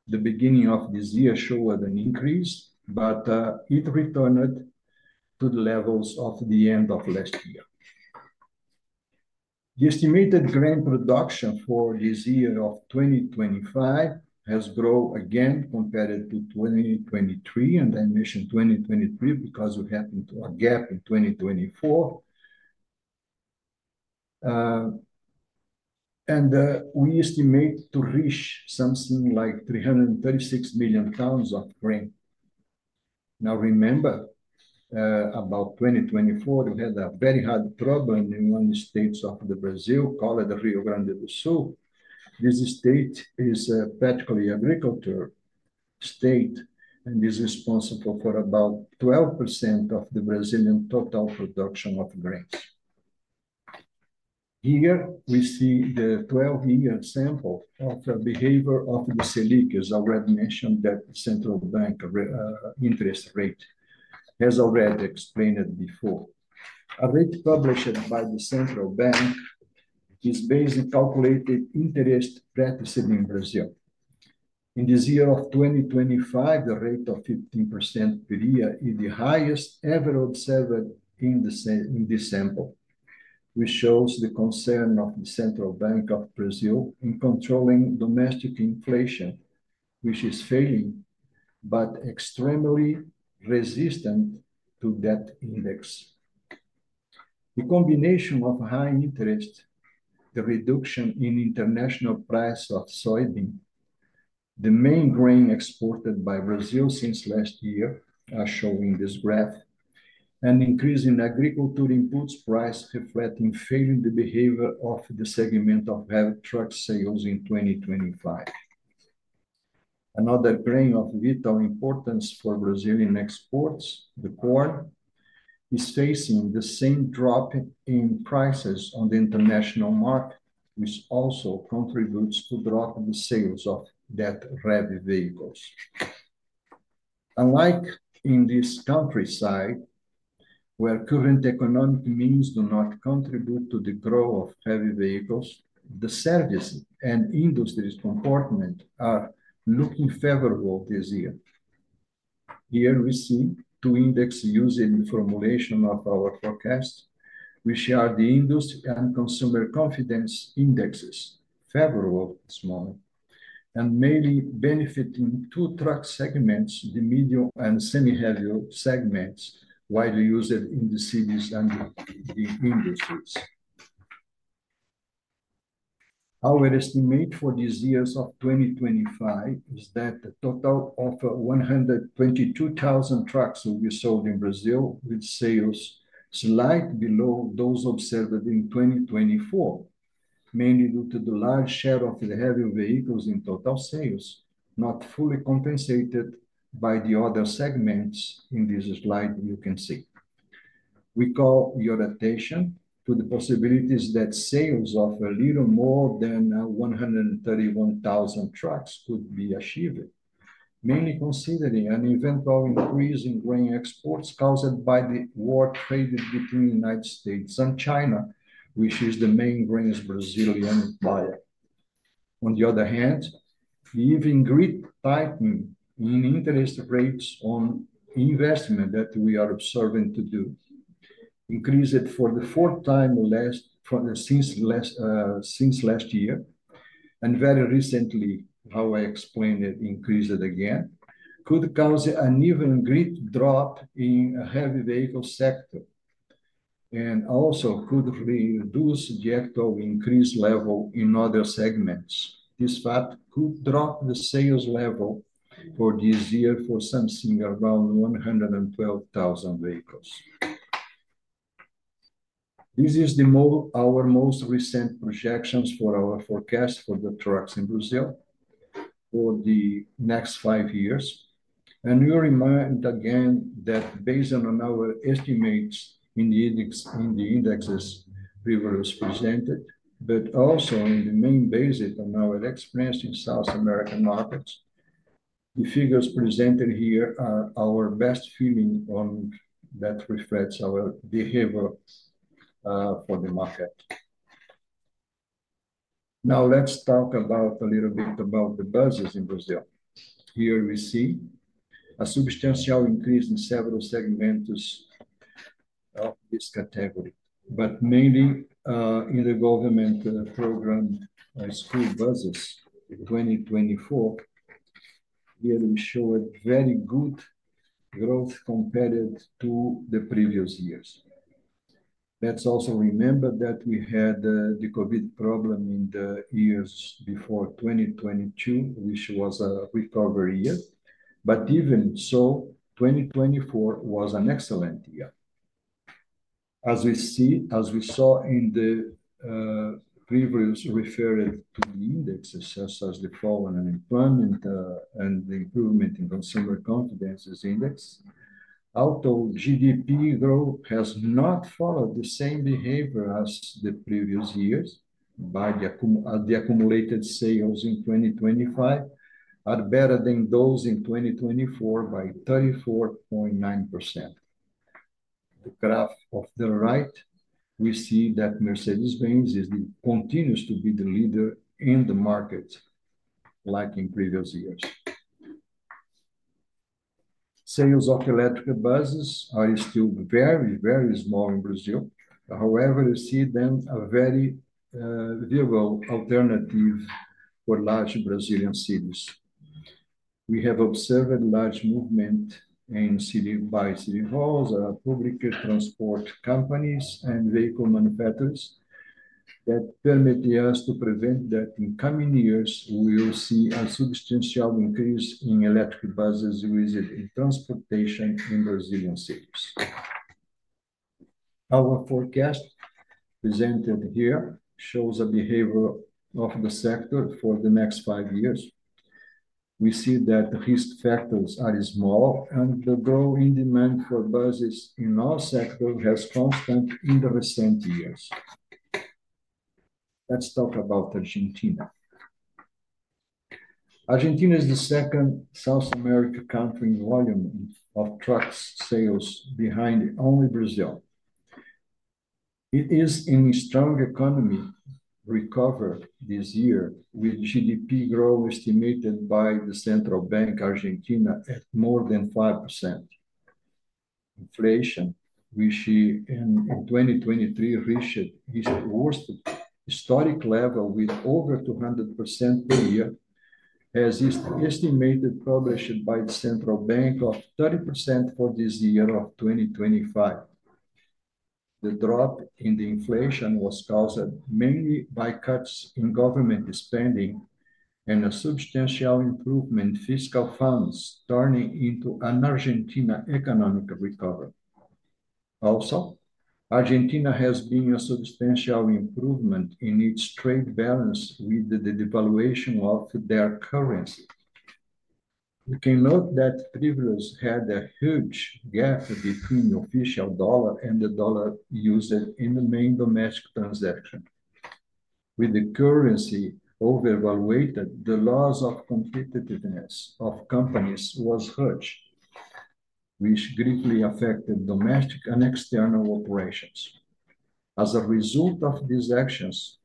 The beginning of this year showed an increase, but it returned to the levels of the end of last year. The estimated grain production for this year of 2025 has grown again compared to 2023, and I mentioned 2023 because we happened to a gap in 2024. We estimate to reach something like 336 million tons of grain. Now, remember, about 2024, we had a very hard problem in one of the states of Brazil, called Rio Grande do Sul. This state is a particularly agricultural state and is responsible for about 12% of the Brazilian total production of grains. Here we see the 12-year sample of the behavior of the SELIC, as I already mentioned, that the Central Bank interest rate has already explained it before. A rate published by the Central Bank is based on calculated interest rates in Brazil. In this year of 2025, the rate of 15% per year is the highest ever observed in the sample, which shows the concern of the Central Bank of Brazil in controlling domestic inflation, which is failing but extremely resistant to that index. The combination of high interest, the reduction in international price of soybean, the main grain exported by Brazil since last year, are showing this graph, and increasing agricultural inputs price reflecting failing the behavior of the segment of heavy truck sales in 2025. Another grain of vital importance for Brazilian exports, the corn, is facing the same drop in prices on the international market, which also contributes to dropping the sales of that heavy vehicles. Unlike in this countryside, where current economic means do not contribute to the growth of heavy vehicles, the service and industry's comportment are looking favorable this year. Here we see two indexes used in the formulation of our forecast, which are the industry and consumer confidence indexes, favorable at this moment, and mainly benefiting two truck segments, the medium and semi-heavy segments, widely used in the cities and the industries. Our estimate for this year of 2025 is that the total of 122,000 trucks will be sold in Brazil, with sales slightly below those observed in 2024, mainly due to the large share of the heavy vehicles in total sales, not fully compensated by the other segments in this slide you can see. We call your attention to the possibilities that sales of a little more than 131,000 trucks could be achieved, mainly considering an eventual increase in grain exports caused by the war traded between the United States and China, which is the main grain's Brazilian buyer. On the other hand, the even greater tightening in interest rates on investment that we are observing to do, increased for the fourth time since last year, and very recently, how I explained it, increased again, could cause an even greater drop in the heavy vehicle sector and also could reduce the actual increase level in other segments. This fact could drop the sales level for this year for something around 112,000 vehicles. This is our most recent projections for our forecast for the trucks in Brazil for the next five years. We remind again that based on our estimates in the indexes previously presented, but also mainly based on our experience in South American markets, the figures presented here are our best feeling on that reflects our behavior for the market. Now let's talk a little bit about the buses in Brazil. Here we see a substantial increase in several segments of this category, but mainly in the government program, school buses in 2024. Here we show very good growth compared to the previous years. Let's also remember that we had the COVID problem in the years before 2022, which was a recovery year, but even so, 2024 was an excellent year. As we see, as we saw in the previous, referred to the indexes such as the fall in unemployment and the improvement in consumer confidence index, although GDP growth has not followed the same behavior as the previous years, the accumulated sales in 2025 are better than those in 2024 by 34.9%. The graph on the right, we see that Mercedes-Benz continues to be the leader in the market like in previous years. Sales of electric buses are still very, very small in Brazil. However, you see them a very viable alternative for large Brazilian cities. We have observed large movement in city-by-city halls, public transport companies, and vehicle manufacturers that permit us to prevent that in coming years we will see a substantial increase in electric buses within transportation in Brazilian cities. Our forecast presented here shows a behavior of the sector for the next five years. We see that the risk factors are small and the growing demand for buses in all sectors has been constant in the recent years. Let's talk about Argentina. Argentina is the second South American country in volume of truck sales behind only Brazil. It is in a strong economy recovered this year with GDP growth estimated by the Central Bank Argentina at more than 5%. Inflation, which in 2023 reached its worst historic level with over 200% per year, has estimated published by the Central Bank of 30% for this year of 2025. The drop in the inflation was caused mainly by cuts in government spending and a substantial improvement in fiscal funds turning into an Argentina economic recovery. Also, Argentina has been a substantial improvement in its trade balance with the devaluation of their currency. You can note that previously had a huge gap between the official dollar and the dollar used in the main domestic transaction. With the currency overvaluated, the loss of competitiveness of companies was huge, which greatly affected domestic and external operations. As a result of these actions,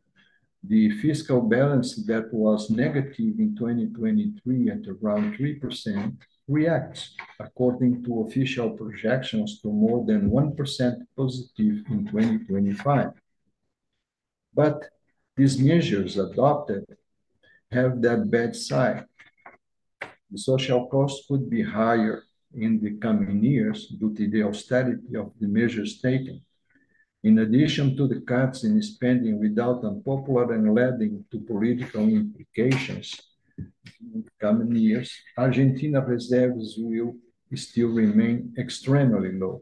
the fiscal balance that was negative in 2023 at around 3% reacts, according to official projections, to more than 1% positive in 2025. These measures adopted have that bad side. The social cost could be higher in the coming years due to the austerity of the measures taken. In addition to the cuts in spending without unpopular and leading to political implications in the coming years, Argentina's reserves will still remain extremely low,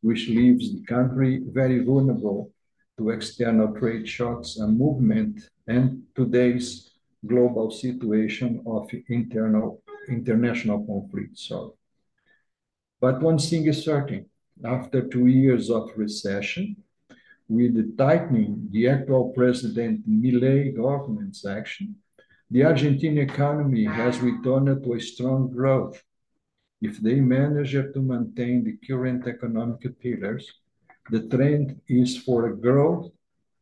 which leaves the country very vulnerable to external trade shocks and movement and today's global situation of internal international conflict. Sorry. One thing is certain. After two years of recession, with the tightening of the actual President Milei government's action, the Argentine economy has returned to a strong growth. If they manage to maintain the current economic pillars, the trend is for a growth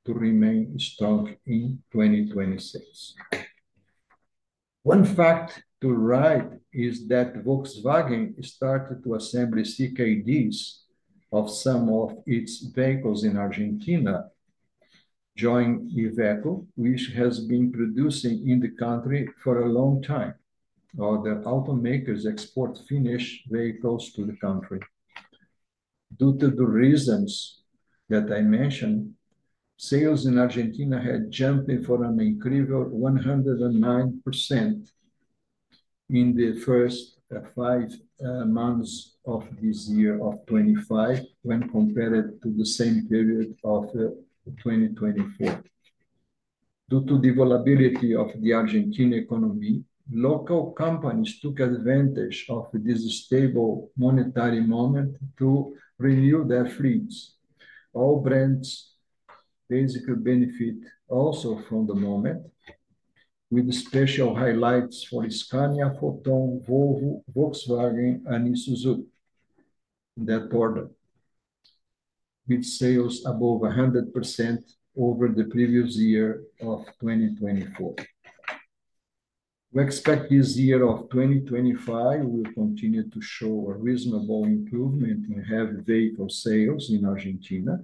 to remain strong in 2026. One fact to write is that Volkswagen started to assemble CKDs of some of its vehicles in Argentina, joining Iveco, which has been producing in the country for a long time, or the automakers export Finnish vehicles to the country. Due to the reasons that I mentioned, sales in Argentina had jumped for an incredible 109% in the first five months of this year of 2025 when compared to the same period of 2024. Due to the volatility of the Argentina economy, local companies took advantage of this stable monetary moment to renew their fleets. All brands basically benefit also from the moment, with special highlights for Scania, Foton, Volvo, Volkswagen, and Isuzu in that order, with sales above 100% over the previous year of 2024. We expect this year of 2025 will continue to show a reasonable improvement in heavy vehicle sales in Argentina,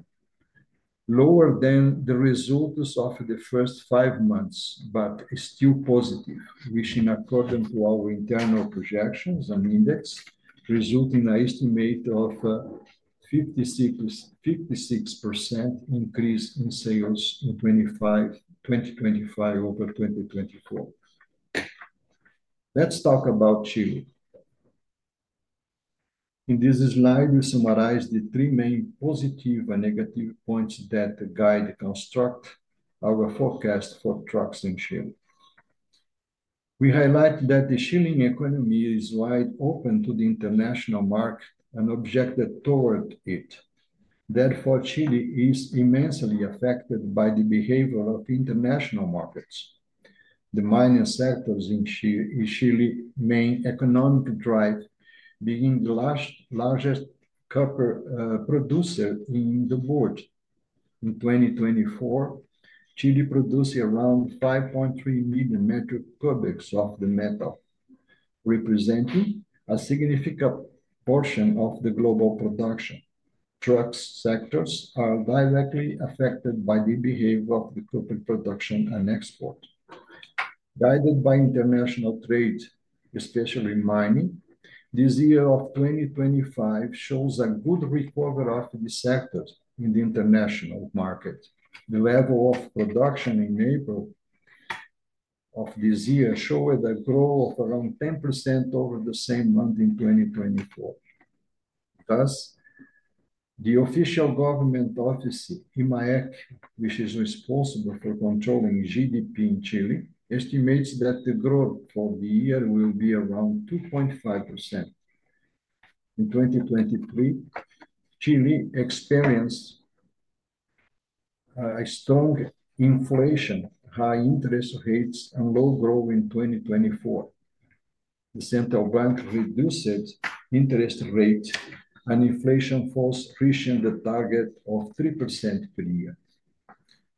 lower than the results of the first five months, but still positive, which, in accordance to our internal projections and index, result in an estimate of a 56% increase in sales in 2025 over 2024. Let's talk about Chile. In this slide, we summarize the three main positive and negative points that guide and construct our forecast for trucks in Chile. We highlight that the Chilean economy is wide open to the international market and objected toward it. Therefore, Chile is immensely affected by the behavior of international markets. The mining sectors in Chile main economic drive being the largest copper producer in the world. In 2024, Chile produced around 5.3 million metric cubic of the metal, representing a significant portion of the global production. Truck sectors are directly affected by the behavior of the copper production and export. Guided by international trade, especially mining, this year of 2025 shows a good recovery of the sectors in the international market. The level of production in April of this year showed a growth of around 10% over the same month in 2024. Thus, the official government office, IMAEC, which is responsible for controlling GDP in Chile, estimates that the growth for the year will be around 2.5%. In 2023, Chile experienced a strong inflation, high interest rates, and low growth in 2024. The Central Bank reduced interest rates, and inflation falls, reaching the target of 3% per year.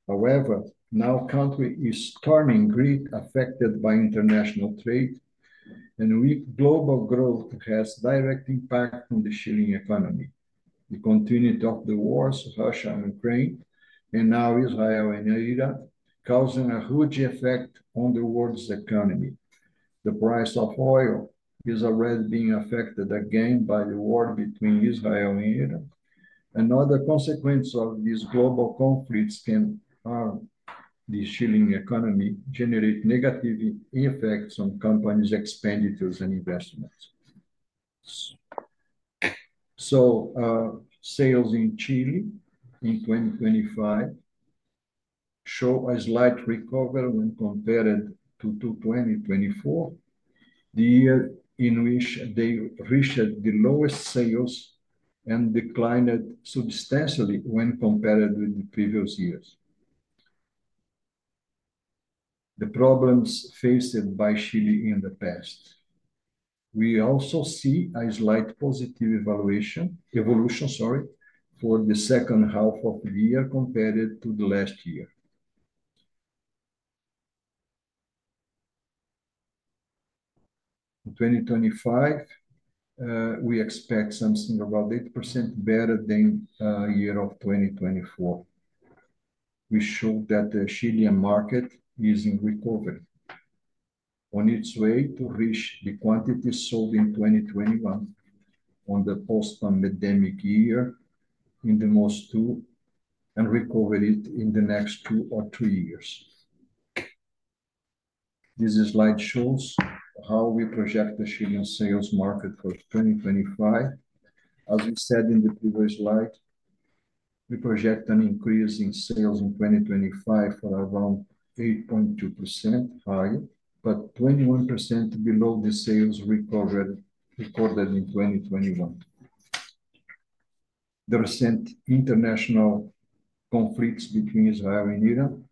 However, now the country is turning greatly affected by international trade, and global growth has a direct impact on the Chilean economy. The continuity of the wars, Russia and Ukraine, and now Israel and Iran, is causing a huge effect on the world's economy. The price of oil is already being affected again by the war between Israel and Iran. Another consequence of these global conflicts can harm the Chilean economy, generating negative effects on companies' expenditures and investments. Sales in Chile in 2025 show a slight recovery when compared to 2024, the year in which they reached the lowest sales and declined substantially when compared with the previous years. The problems faced by Chile in the past. We also see a slight positive evolution, sorry, for the second half of the year compared to the last year. In 2025, we expect something about 8% better than the year of 2024, which showed that the Chilean market is in recovery, on its way to reach the quantity sold in 2021 on the post-pandemic year in the most two and recover it in the next two or three years. This slide shows how we project the Chilean sales market for 2025. As we said in the previous slide, we project an increase in sales in 2025 for around 8.2% higher, but 21% below the sales recorded in 2021. The recent international conflicts between Israel and Iran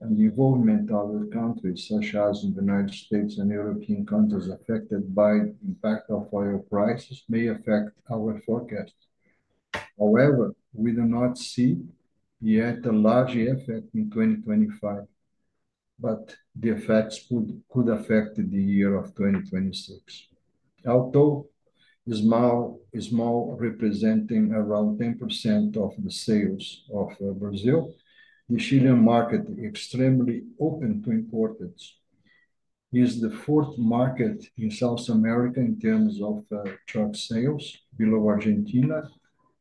and the involvement of other countries, such as in the United States and European countries affected by the impact of oil prices, may affect our forecast. However, we do not see yet a large effect in 2025, but the effects could affect the year of 2026. Although small, small representing around 10% of the sales of Brazil, the Chilean market is extremely open to imports. It is the fourth market in South America in terms of truck sales, below Argentina,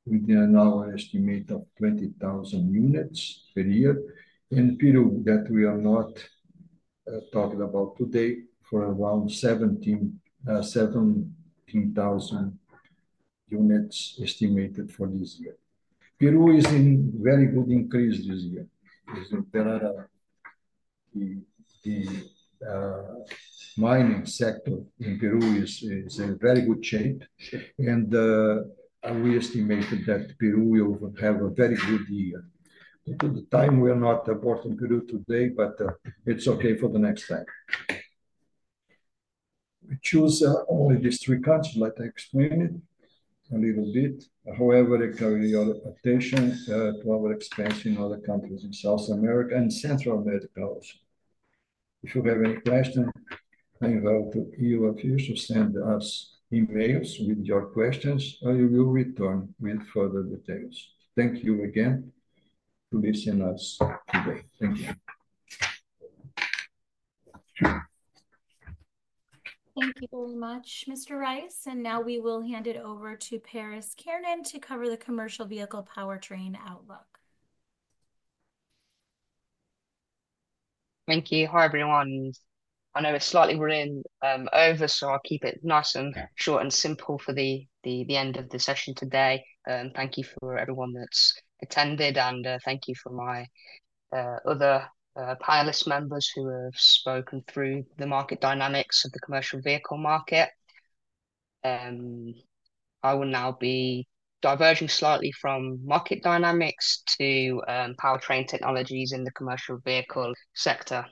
with an our estimate of 20,000 units per year. And Peru, that we are not talking about today, for around 17,000 units estimated for this year. Peru is in very good increase this year. There are the mining sector in Peru is in very good shape, and, we estimate that Peru will have a very good year. At the time, we are not aborting Peru today, but it's okay for the next time. We choose only these three countries, like I explained it a little bit. However, it carries your attention to our expense in other countries in South America and Central America also. If you have any questions, I invite you to send us emails with your questions, or you will return with further details. Thank you again for listening to us today. Thank you. Thank you very much, Mr. Rice. Now we will hand it over to Paris Kiernan to cover the commercial vehicle powertrain outlook. Thank you. Hi everyone. I know it's slightly run over, so I'll keep it nice and short and simple for the end of the session today. Thank you for everyone that's attended, and thank you for my other panelist members who have spoken through the market dynamics of the commercial vehicle market. I will now be diverging slightly from market dynamics to powertrain technologies in the commercial vehicle sector.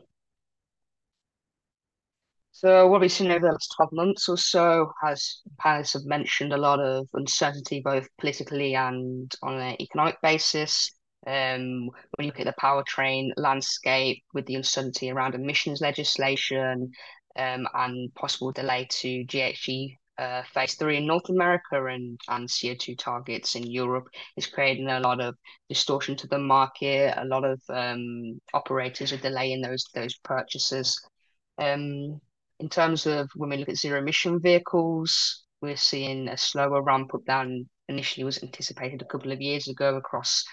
What we have seen over the last 12 months or so, as panelists have mentioned, is a lot of uncertainty, both politically and on an economic basis. When you look at the powertrain landscape, with the uncertainty around emissions legislation and possible delay to GHG3 phase three in North America and CO2 targets in Europe, it is creating a lot of distortion to the market. A lot of operators are delaying those purchases. In terms of when we look at zero-emission vehicles, we are seeing a slower ramp-up than initially was anticipated a couple of years ago across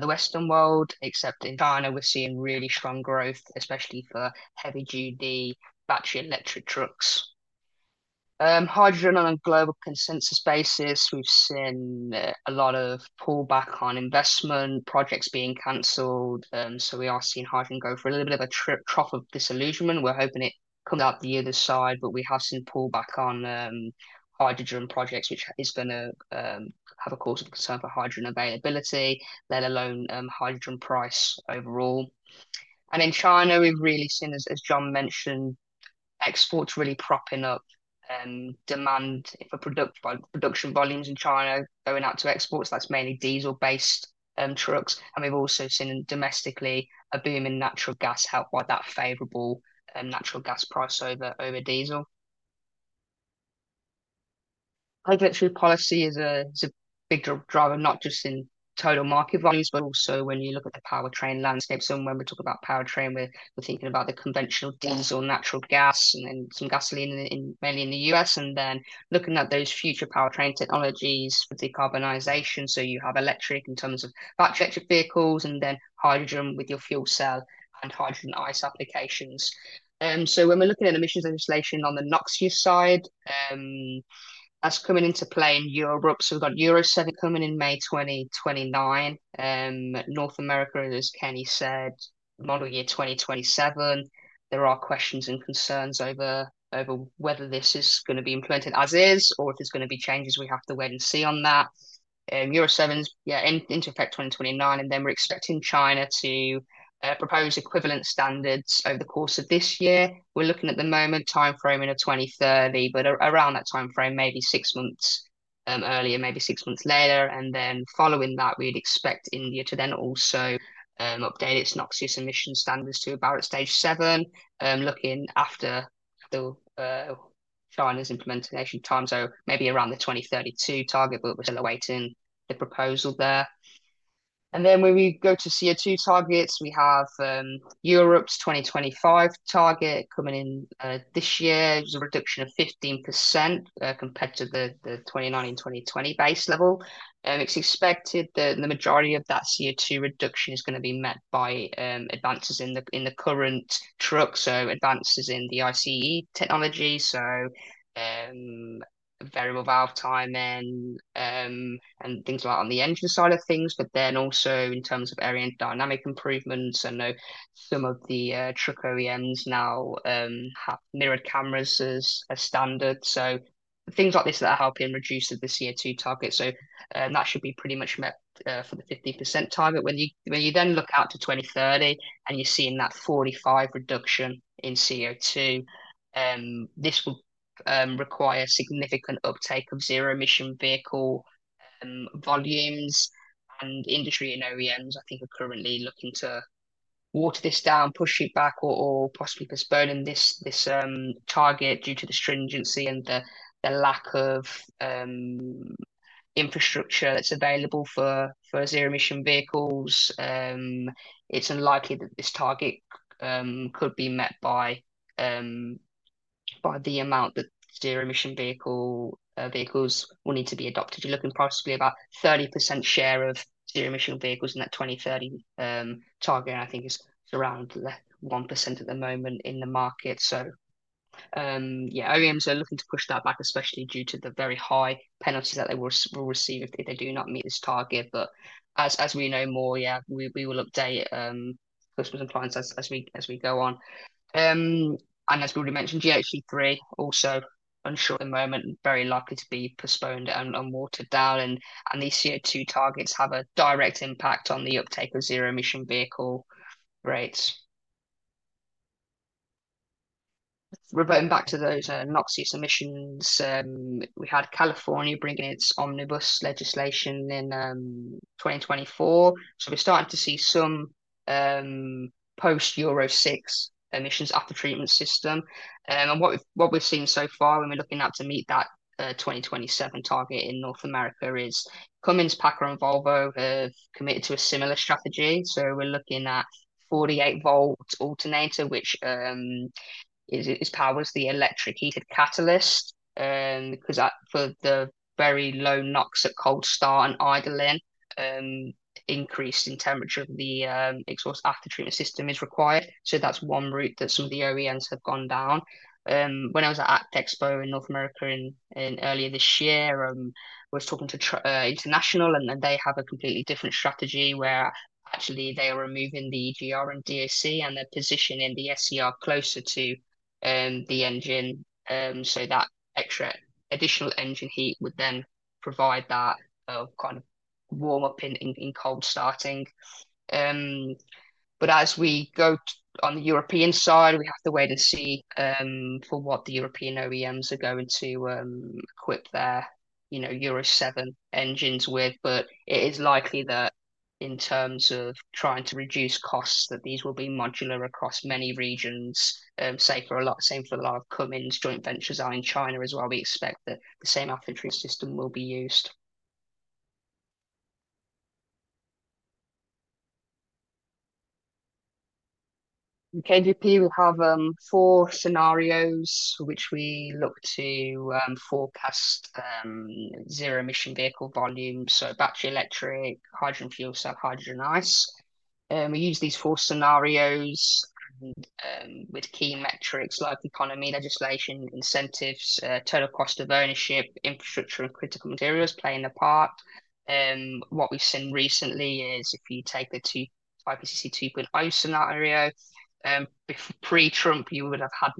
the Western world, except in China, where we are seeing really strong growth, especially for heavy-duty battery electric trucks. Hydrogen, on a global consensus basis, we have seen a lot of pullback on investment projects being canceled. We are seeing hydrogen go through a little bit of a trough of disillusionment. We're hoping it comes out the other side, but we have seen pullback on hydrogen projects, which is going to have a cause of concern for hydrogen availability, let alone hydrogen price overall. In China, we've really seen, as John mentioned, exports really propping up demand for production volumes in China going out to exports. That's mainly diesel-based trucks. We've also seen domestically a boom in natural gas, helped by that favorable natural gas price over diesel. Hydrogen policy is a big driver, not just in total market volumes, but also when you look at the powertrain landscape. When we talk about powertrain, we're thinking about the conventional diesel, natural gas, and then some gasoline, mainly in the U.S., and then looking at those future powertrain technologies for decarbonization. You have electric in terms of battery electric vehicles, and then hydrogen with your fuel cell and hydrogen ICE applications. When we're looking at emissions legislation on the NOxU side, that's coming into play in Europe. We've got Euro seven coming in May 2029. North America, as Kenny said, model year 2027. There are questions and concerns over whether this is going to be implemented as is, or if there's going to be changes. We have to wait and see on that. Euro 7 is, yeah, into effect 2029, and then we're expecting China to propose equivalent standards over the course of this year. We're looking at the moment time frame in 2030, but around that time frame, maybe six months earlier, maybe six months later. Following that, we'd expect India to also update its NOxU emission standards to about at stage seven, looking after China's implementation time. Maybe around the 2032 target, but we're still awaiting the proposal there. When we go to CO2 targets, we have Europe's 2025 target coming in this year. There's a reduction of 15% compared to the 2019-2020 base level. It's expected that the majority of that CO2 reduction is going to be met by advances in the current trucks, so advances in the ICE technology, variable valve timing, and things like on the engine side of things, but then also in terms of area and dynamic improvements. I know some of the truck OEMs now have mirrored cameras as a standard. Things like this are helping reduce the CO2 target. That should be pretty much met, for the 50% target. When you then look out to 2030 and you're seeing that 45% reduction in CO2, this will require a significant uptake of zero-emission vehicle volumes. Industry and OEMs, I think, are currently looking to water this down, push it back, or possibly postpone this target due to the stringency and the lack of infrastructure that's available for zero-emission vehicles. It's unlikely that this target could be met by the amount that zero-emission vehicles will need to be adopted. You're looking possibly about a 30% share of zero-emission vehicles in that 2030 target, and I think it's around 1% at the moment in the market. Yeah, OEMs are looking to push that back, especially due to the very high penalties that they will receive if they do not meet this target. As we know more, we will update customs and clients as we go on. As we already mentioned, GHG3 also unsure at the moment, very likely to be postponed and watered down. These CO2 targets have a direct impact on the uptake of zero-emission vehicle rates. Reverting back to those NOxU emissions, we had California bringing its omnibus legislation in 2024. We are starting to see some post-Euro 6 emissions aftertreatment system. What we have seen so far when we are looking up to meet that 2027 target in North America is Cummins, Paccar, and Volvo have committed to a similar strategy. We're looking at a 48-volt alternator, which powers the electric heated catalyst, because for the very low NOx at cold start and idling, increase in temperature of the exhaust aftertreatment system is required. That's one route that some of the OEMs have gone down. When I was at ACT Expo in North America earlier this year, I was talking to International, and they have a completely different strategy where actually they are removing the EGR and DAC, and they're positioning the SCR closer to the engine, so that extra additional engine heat would then provide that kind of warm-up in cold starting. As we go on the European side, we have to wait and see what the European OEMs are going to equip their Euro seven engines with. It is likely that in terms of trying to reduce costs, these will be modular across many regions, same for a lot of Cummins joint ventures are in China as well. We expect that the same aftertreatment system will be used. KGP will have four scenarios for which we look to forecast zero-emission vehicle volume. So battery electric, hydrogen fuel cell, hydrogen Ice. We use these four scenarios, with key metrics like economy, legislation, incentives, total cost of ownership, infrastructure, and critical materials playing a part. What we've seen recently is if you take the IPCC 2.0 scenario, pre-Trump, you would have had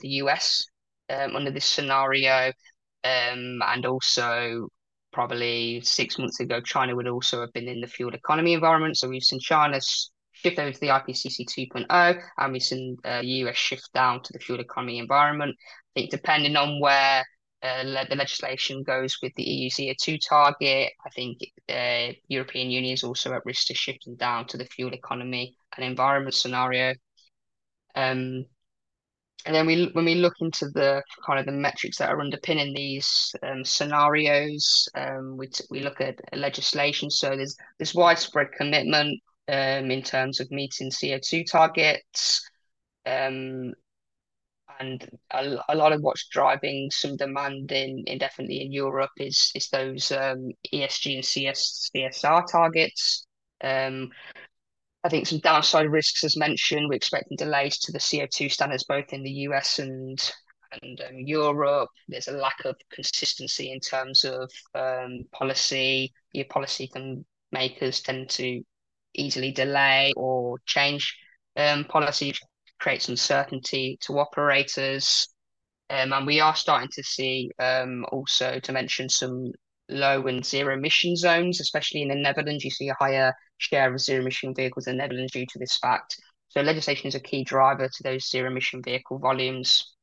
the U.S. under this scenario, and also probably six months ago, China would also have been in the fuel economy environment. We've seen China's shift over to the IPCC 2.0, and we've seen the U.S. shift down to the fuel economy environment. I think depending on where the legislation goes with the EU's year two target, I think the European Union is also at risk to shifting down to the fuel economy and environment scenario. When we look into the kind of the metrics that are underpinning these scenarios, we look at legislation. There's widespread commitment in terms of meeting CO2 targets. A lot of what's driving some demand indefinitely in Europe is those ESG and CSR targets. I think some downside risks, as mentioned, we're expecting delays to the CO2 standards both in the U.S. and Europe. There's a lack of consistency in terms of policy. Your policy makers tend to easily delay or change policy, which creates uncertainty to operators. We are starting to see, also to mention, some low and zero-emission zones, especially in the Netherlands. You see a higher share of zero-emission vehicles in the Netherlands due to this fact. Legislation is a key driver to those zero-emission vehicle volumes.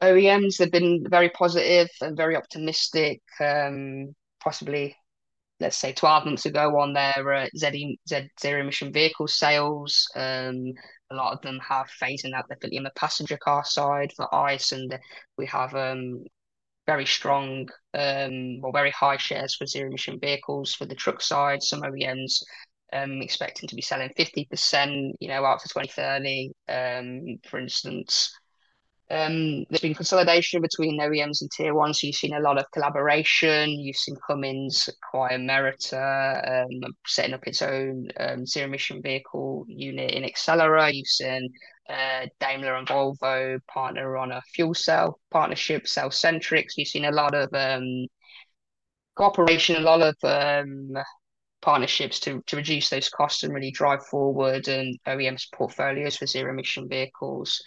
OEMs have been very positive and very optimistic, possibly, let's say, 12 months ago on their zero-emission vehicle sales. A lot of them have phasing out their fully on the passenger car side for ICE. We have very strong, or very high shares for zero-emission vehicles for the truck side. Some OEMs expecting to be selling 50%, you know, after 2030, for instance. There has been consolidation between OEMs and tier one. You have seen a lot of collaboration. You've seen Cummins acquire Meritor, setting up its own zero-emission vehicle unit in Accelera. You've seen Daimler and Volvo partner on a fuel cell partnership, Cellcentric. You've seen a lot of cooperation, a lot of partnerships to reduce those costs and really drive forward in OEMs' portfolios for zero-emission vehicles.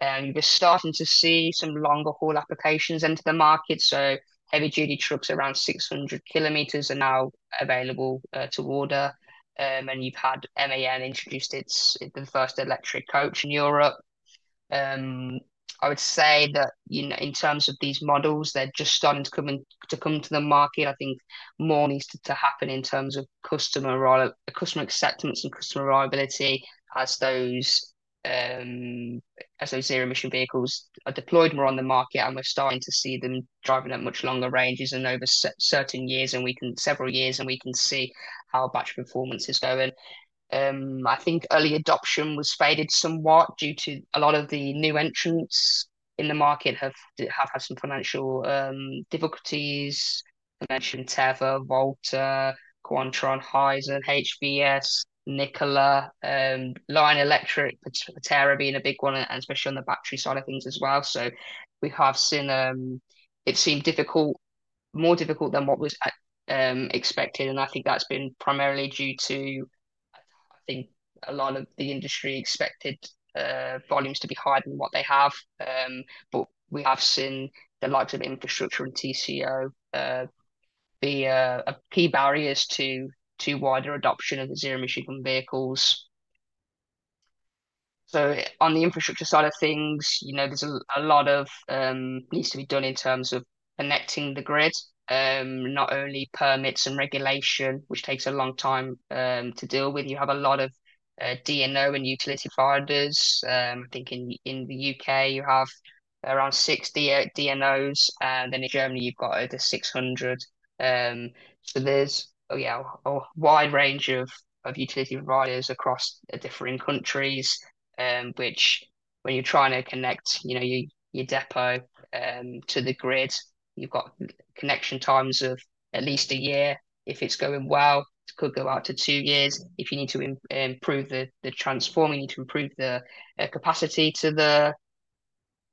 We're starting to see some longer haul applications into the market. Heavy-duty trucks around 600 km are now available to order. You've had MAN introduce its first electric coach in Europe. I would say that, you know, in terms of these models, they're just starting to come into the market. I think more needs to happen in terms of customer acceptance and customer reliability as those zero-emission vehicles are deployed more on the market. We're starting to see them driving at much longer ranges and over certain years. We can see over several years how battery performance is going. I think early adoption was faded somewhat due to a lot of the new entrants in the market having had some financial difficulties. I mentioned Teva, Volta, Quantron, Hyzon, HVS, Nikola, Lion Electric, Terra being a big one, and especially on the battery side of things as well. We have seen it seem more difficult than what was expected. I think that's been primarily due to a lot of the industry expecting volumes to be higher than what they have been. We have seen the likes of infrastructure and TCO be key barriers to wider adoption of the zero-emission vehicles. On the infrastructure side of things, you know, there's a lot that needs to be done in terms of connecting the grid, not only permits and regulation, which takes a long time to deal with. You have a lot of DNO and utility providers. I think in the U.K., you have around 60 DNOs. In Germany, you've got over 600. There's a wide range of utility providers across different countries, which, when you're trying to connect your depot to the grid, you've got connection times of at least a year. If it's going well, it could go out to two years. If you need to improve the transformer, you need to improve the capacity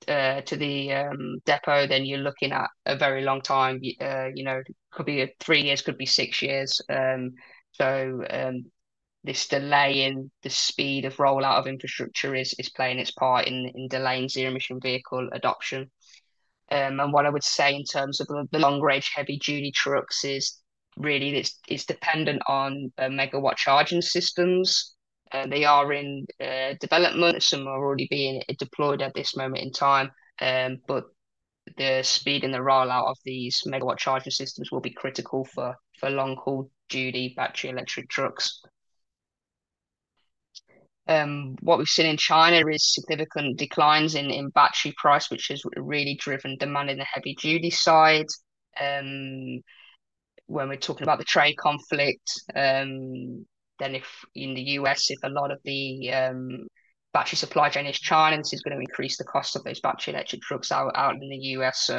to the depot, then you're looking at a very long time. You know, it could be three years, could be six years. So, this delay in the speed of rollout of infrastructure is playing its part in delaying zero-emission vehicle adoption. And what I would say in terms of the long-range heavy-duty trucks is really, it is dependent on megawatt charging systems. They are in development. Some are already being deployed at this moment in time, but the speed and the rollout of these megawatt charging systems will be critical for long-haul duty battery electric trucks. What we have seen in China is significant declines in battery price, which has really driven demand in the heavy-duty side. When we are talking about the trade conflict, then if in the U.S., if a lot of the battery supply chain is China, this is going to increase the cost of those battery electric trucks out in the U.S.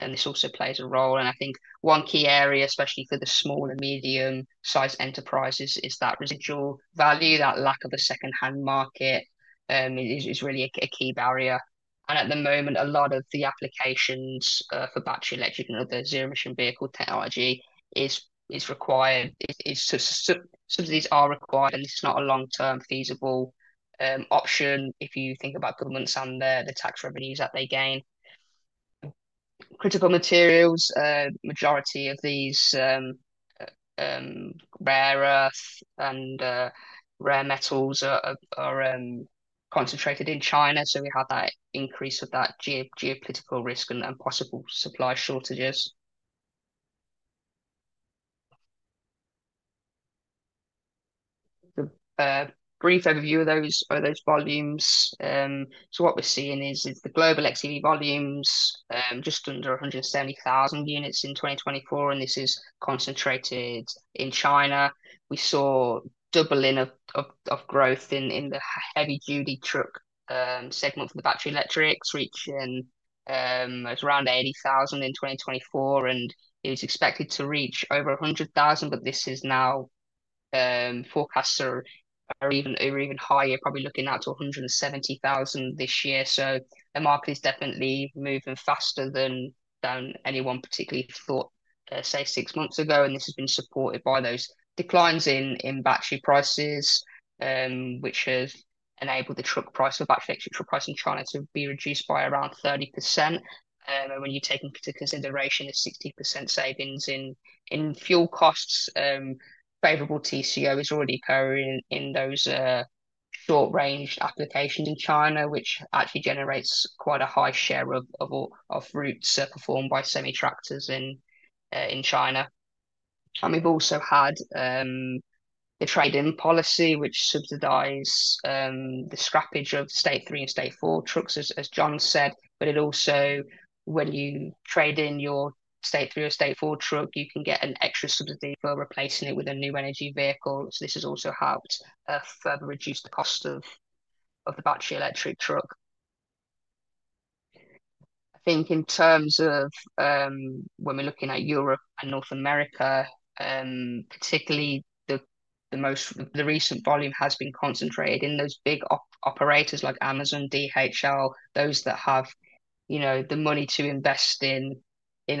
This also plays a role. I think one key area, especially for the small and medium-sized enterprises, is that residual value, that lack of a second-hand market, is really a key barrier. At the moment, a lot of the applications for battery electric and the zero-emission vehicle technology is required. Some of these are required, and it is not a long-term feasible option if you think about governments and the tax revenues that they gain. Critical materials, majority of these, rare earth and rare metals, are concentrated in China. We have that increase of that geopolitical risk and possible supply shortages. The brief overview of those volumes, what we are seeing is the global XEV volumes, just under 170,000 units in 2024. This is concentrated in China. We saw doubling of growth in the heavy-duty truck segment for the battery electrics, reaching around 80,000 in 2024. It was expected to reach over 100,000, but now forecasts are even higher, probably looking out to 170,000 this year. The market is definitely moving faster than anyone particularly thought, say, six months ago. This has been supported by those declines in battery prices, which have enabled the truck price for battery electric truck price in China to be reduced by around 30%. When you take into consideration the 60% savings in fuel costs, favorable TCO is already occurring in those short-range applications in China, which actually generates quite a high share of all routes performed by semi-tractors in China. We have also had the trade-in policy, which subsidizes the scrappage of state three and state four trucks, as John said. It also, when you trade in your state three or state four truck, you can get an extra subsidy for replacing it with a new energy vehicle. This has also helped further reduce the cost of the battery electric truck. I think in terms of when we are looking at Europe and North America, particularly the most recent volume has been concentrated in those big operators like Amazon, DHL, those that have, you know, the money to invest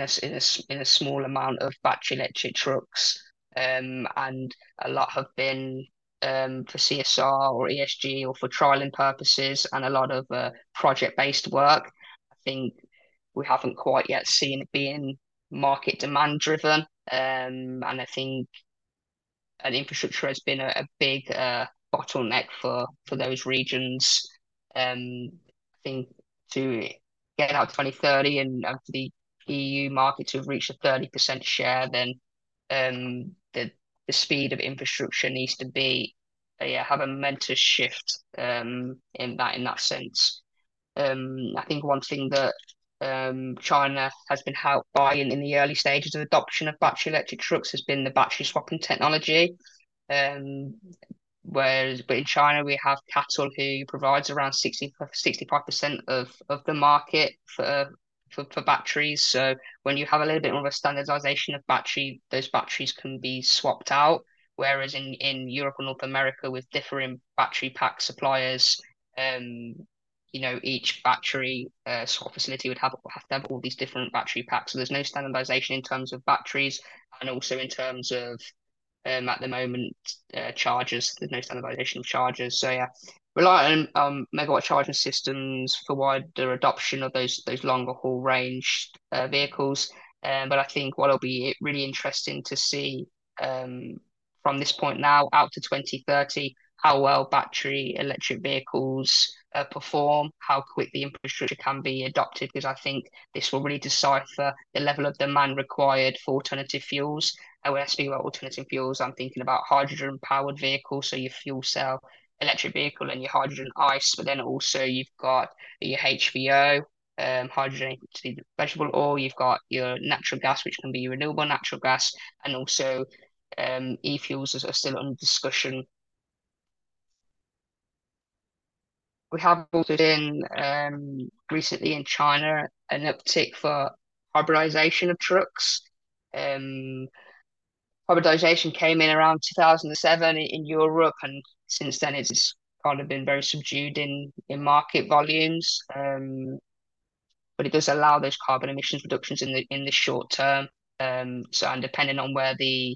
in a small amount of battery electric trucks. A lot have been for CSR or ESG or for trialing purposes and a lot of project-based work. I think we have not quite yet seen it being market demand-driven. I think infrastructure has been a big bottleneck for those regions. I think to get out to 2030 and the EU markets have reached a 30% share, the speed of infrastructure needs to have a momentum shift in that sense. I think one thing that China has been helped by in the early stages of adoption of battery electric trucks has been the battery swapping technology. Whereas in China, we have CATL who provides around 60% of the market for batteries. When you have a little bit more of a standardization of battery, those batteries can be swapped out. Whereas in Europe and North America, with differing battery pack suppliers, each battery swap facility would have to have all these different battery packs. There is no standardization in terms of batteries and also in terms of, at the moment, chargers. There is no standardization of chargers. Yeah, rely on megawatt charging systems for wider adoption of those longer haul range vehicles. I think what will be really interesting to see, from this point now out to 2030, is how well battery electric vehicles perform, how quick the infrastructure can be adopted. I think this will really decipher the level of demand required for alternative fuels. When I speak about alternative fuels, I am thinking about hydrogen-powered vehicles, so your fuel cell electric vehicle and your hydrogen ICE. Then also you have your HVO, hydrogen to the vegetable oil. You have your natural gas, which can be your renewable natural gas. Also, e-fuels are still under discussion. We have also been, recently in China, seeing an uptick for hybridization of trucks. Hybridization came in around 2007 in Europe. Since then, it has kind of been very subdued in market volumes, but it does allow those carbon emissions reductions in the short term. Depending on where the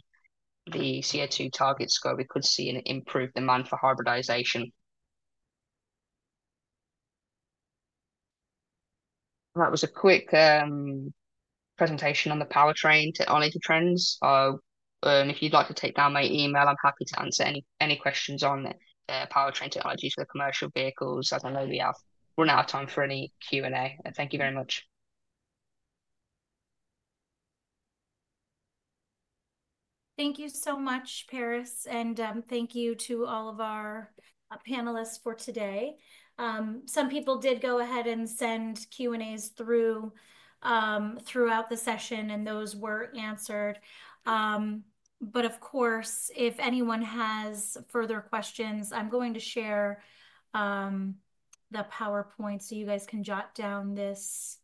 CO2 targets go, we could see an improved demand for hybridization. That was a quick presentation on the powertrain technology trends. If you'd like to take down my email, I'm happy to answer any questions on the powertrain technologies for the commercial vehicles. As I know, we have run out of time for any Q&A. Thank you very much. Thank you so much, Paris. Thank you to all of our panelists for today. Some people did go ahead and send Q&As through throughout the session, and those were answered. Of course, if anyone has further questions, I'm going to share the PowerPoint so you guys can jot down this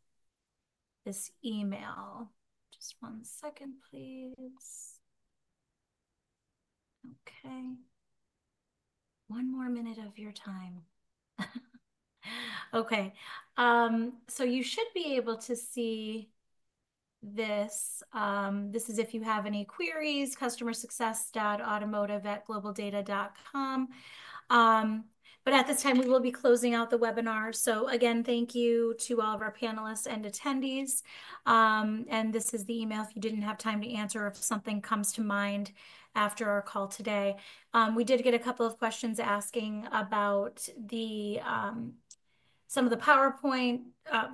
email. Just one second, please. Okay. One more minute of your time. Okay. You should be able to see this. This is if you have any queries, customersuccess.automotive@globaldata.com. At this time, we will be closing out the webinar. Again, thank you to all of our panelists and attendees. This is the email if you did not have time to answer or if something comes to mind after our call today. We did get a couple of questions asking about some of the PowerPoint,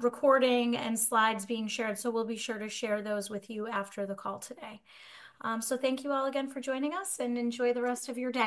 recording, and slides being shared. We will be sure to share those with you after the call today. Thank you all again for joining us and enjoy the rest of your day.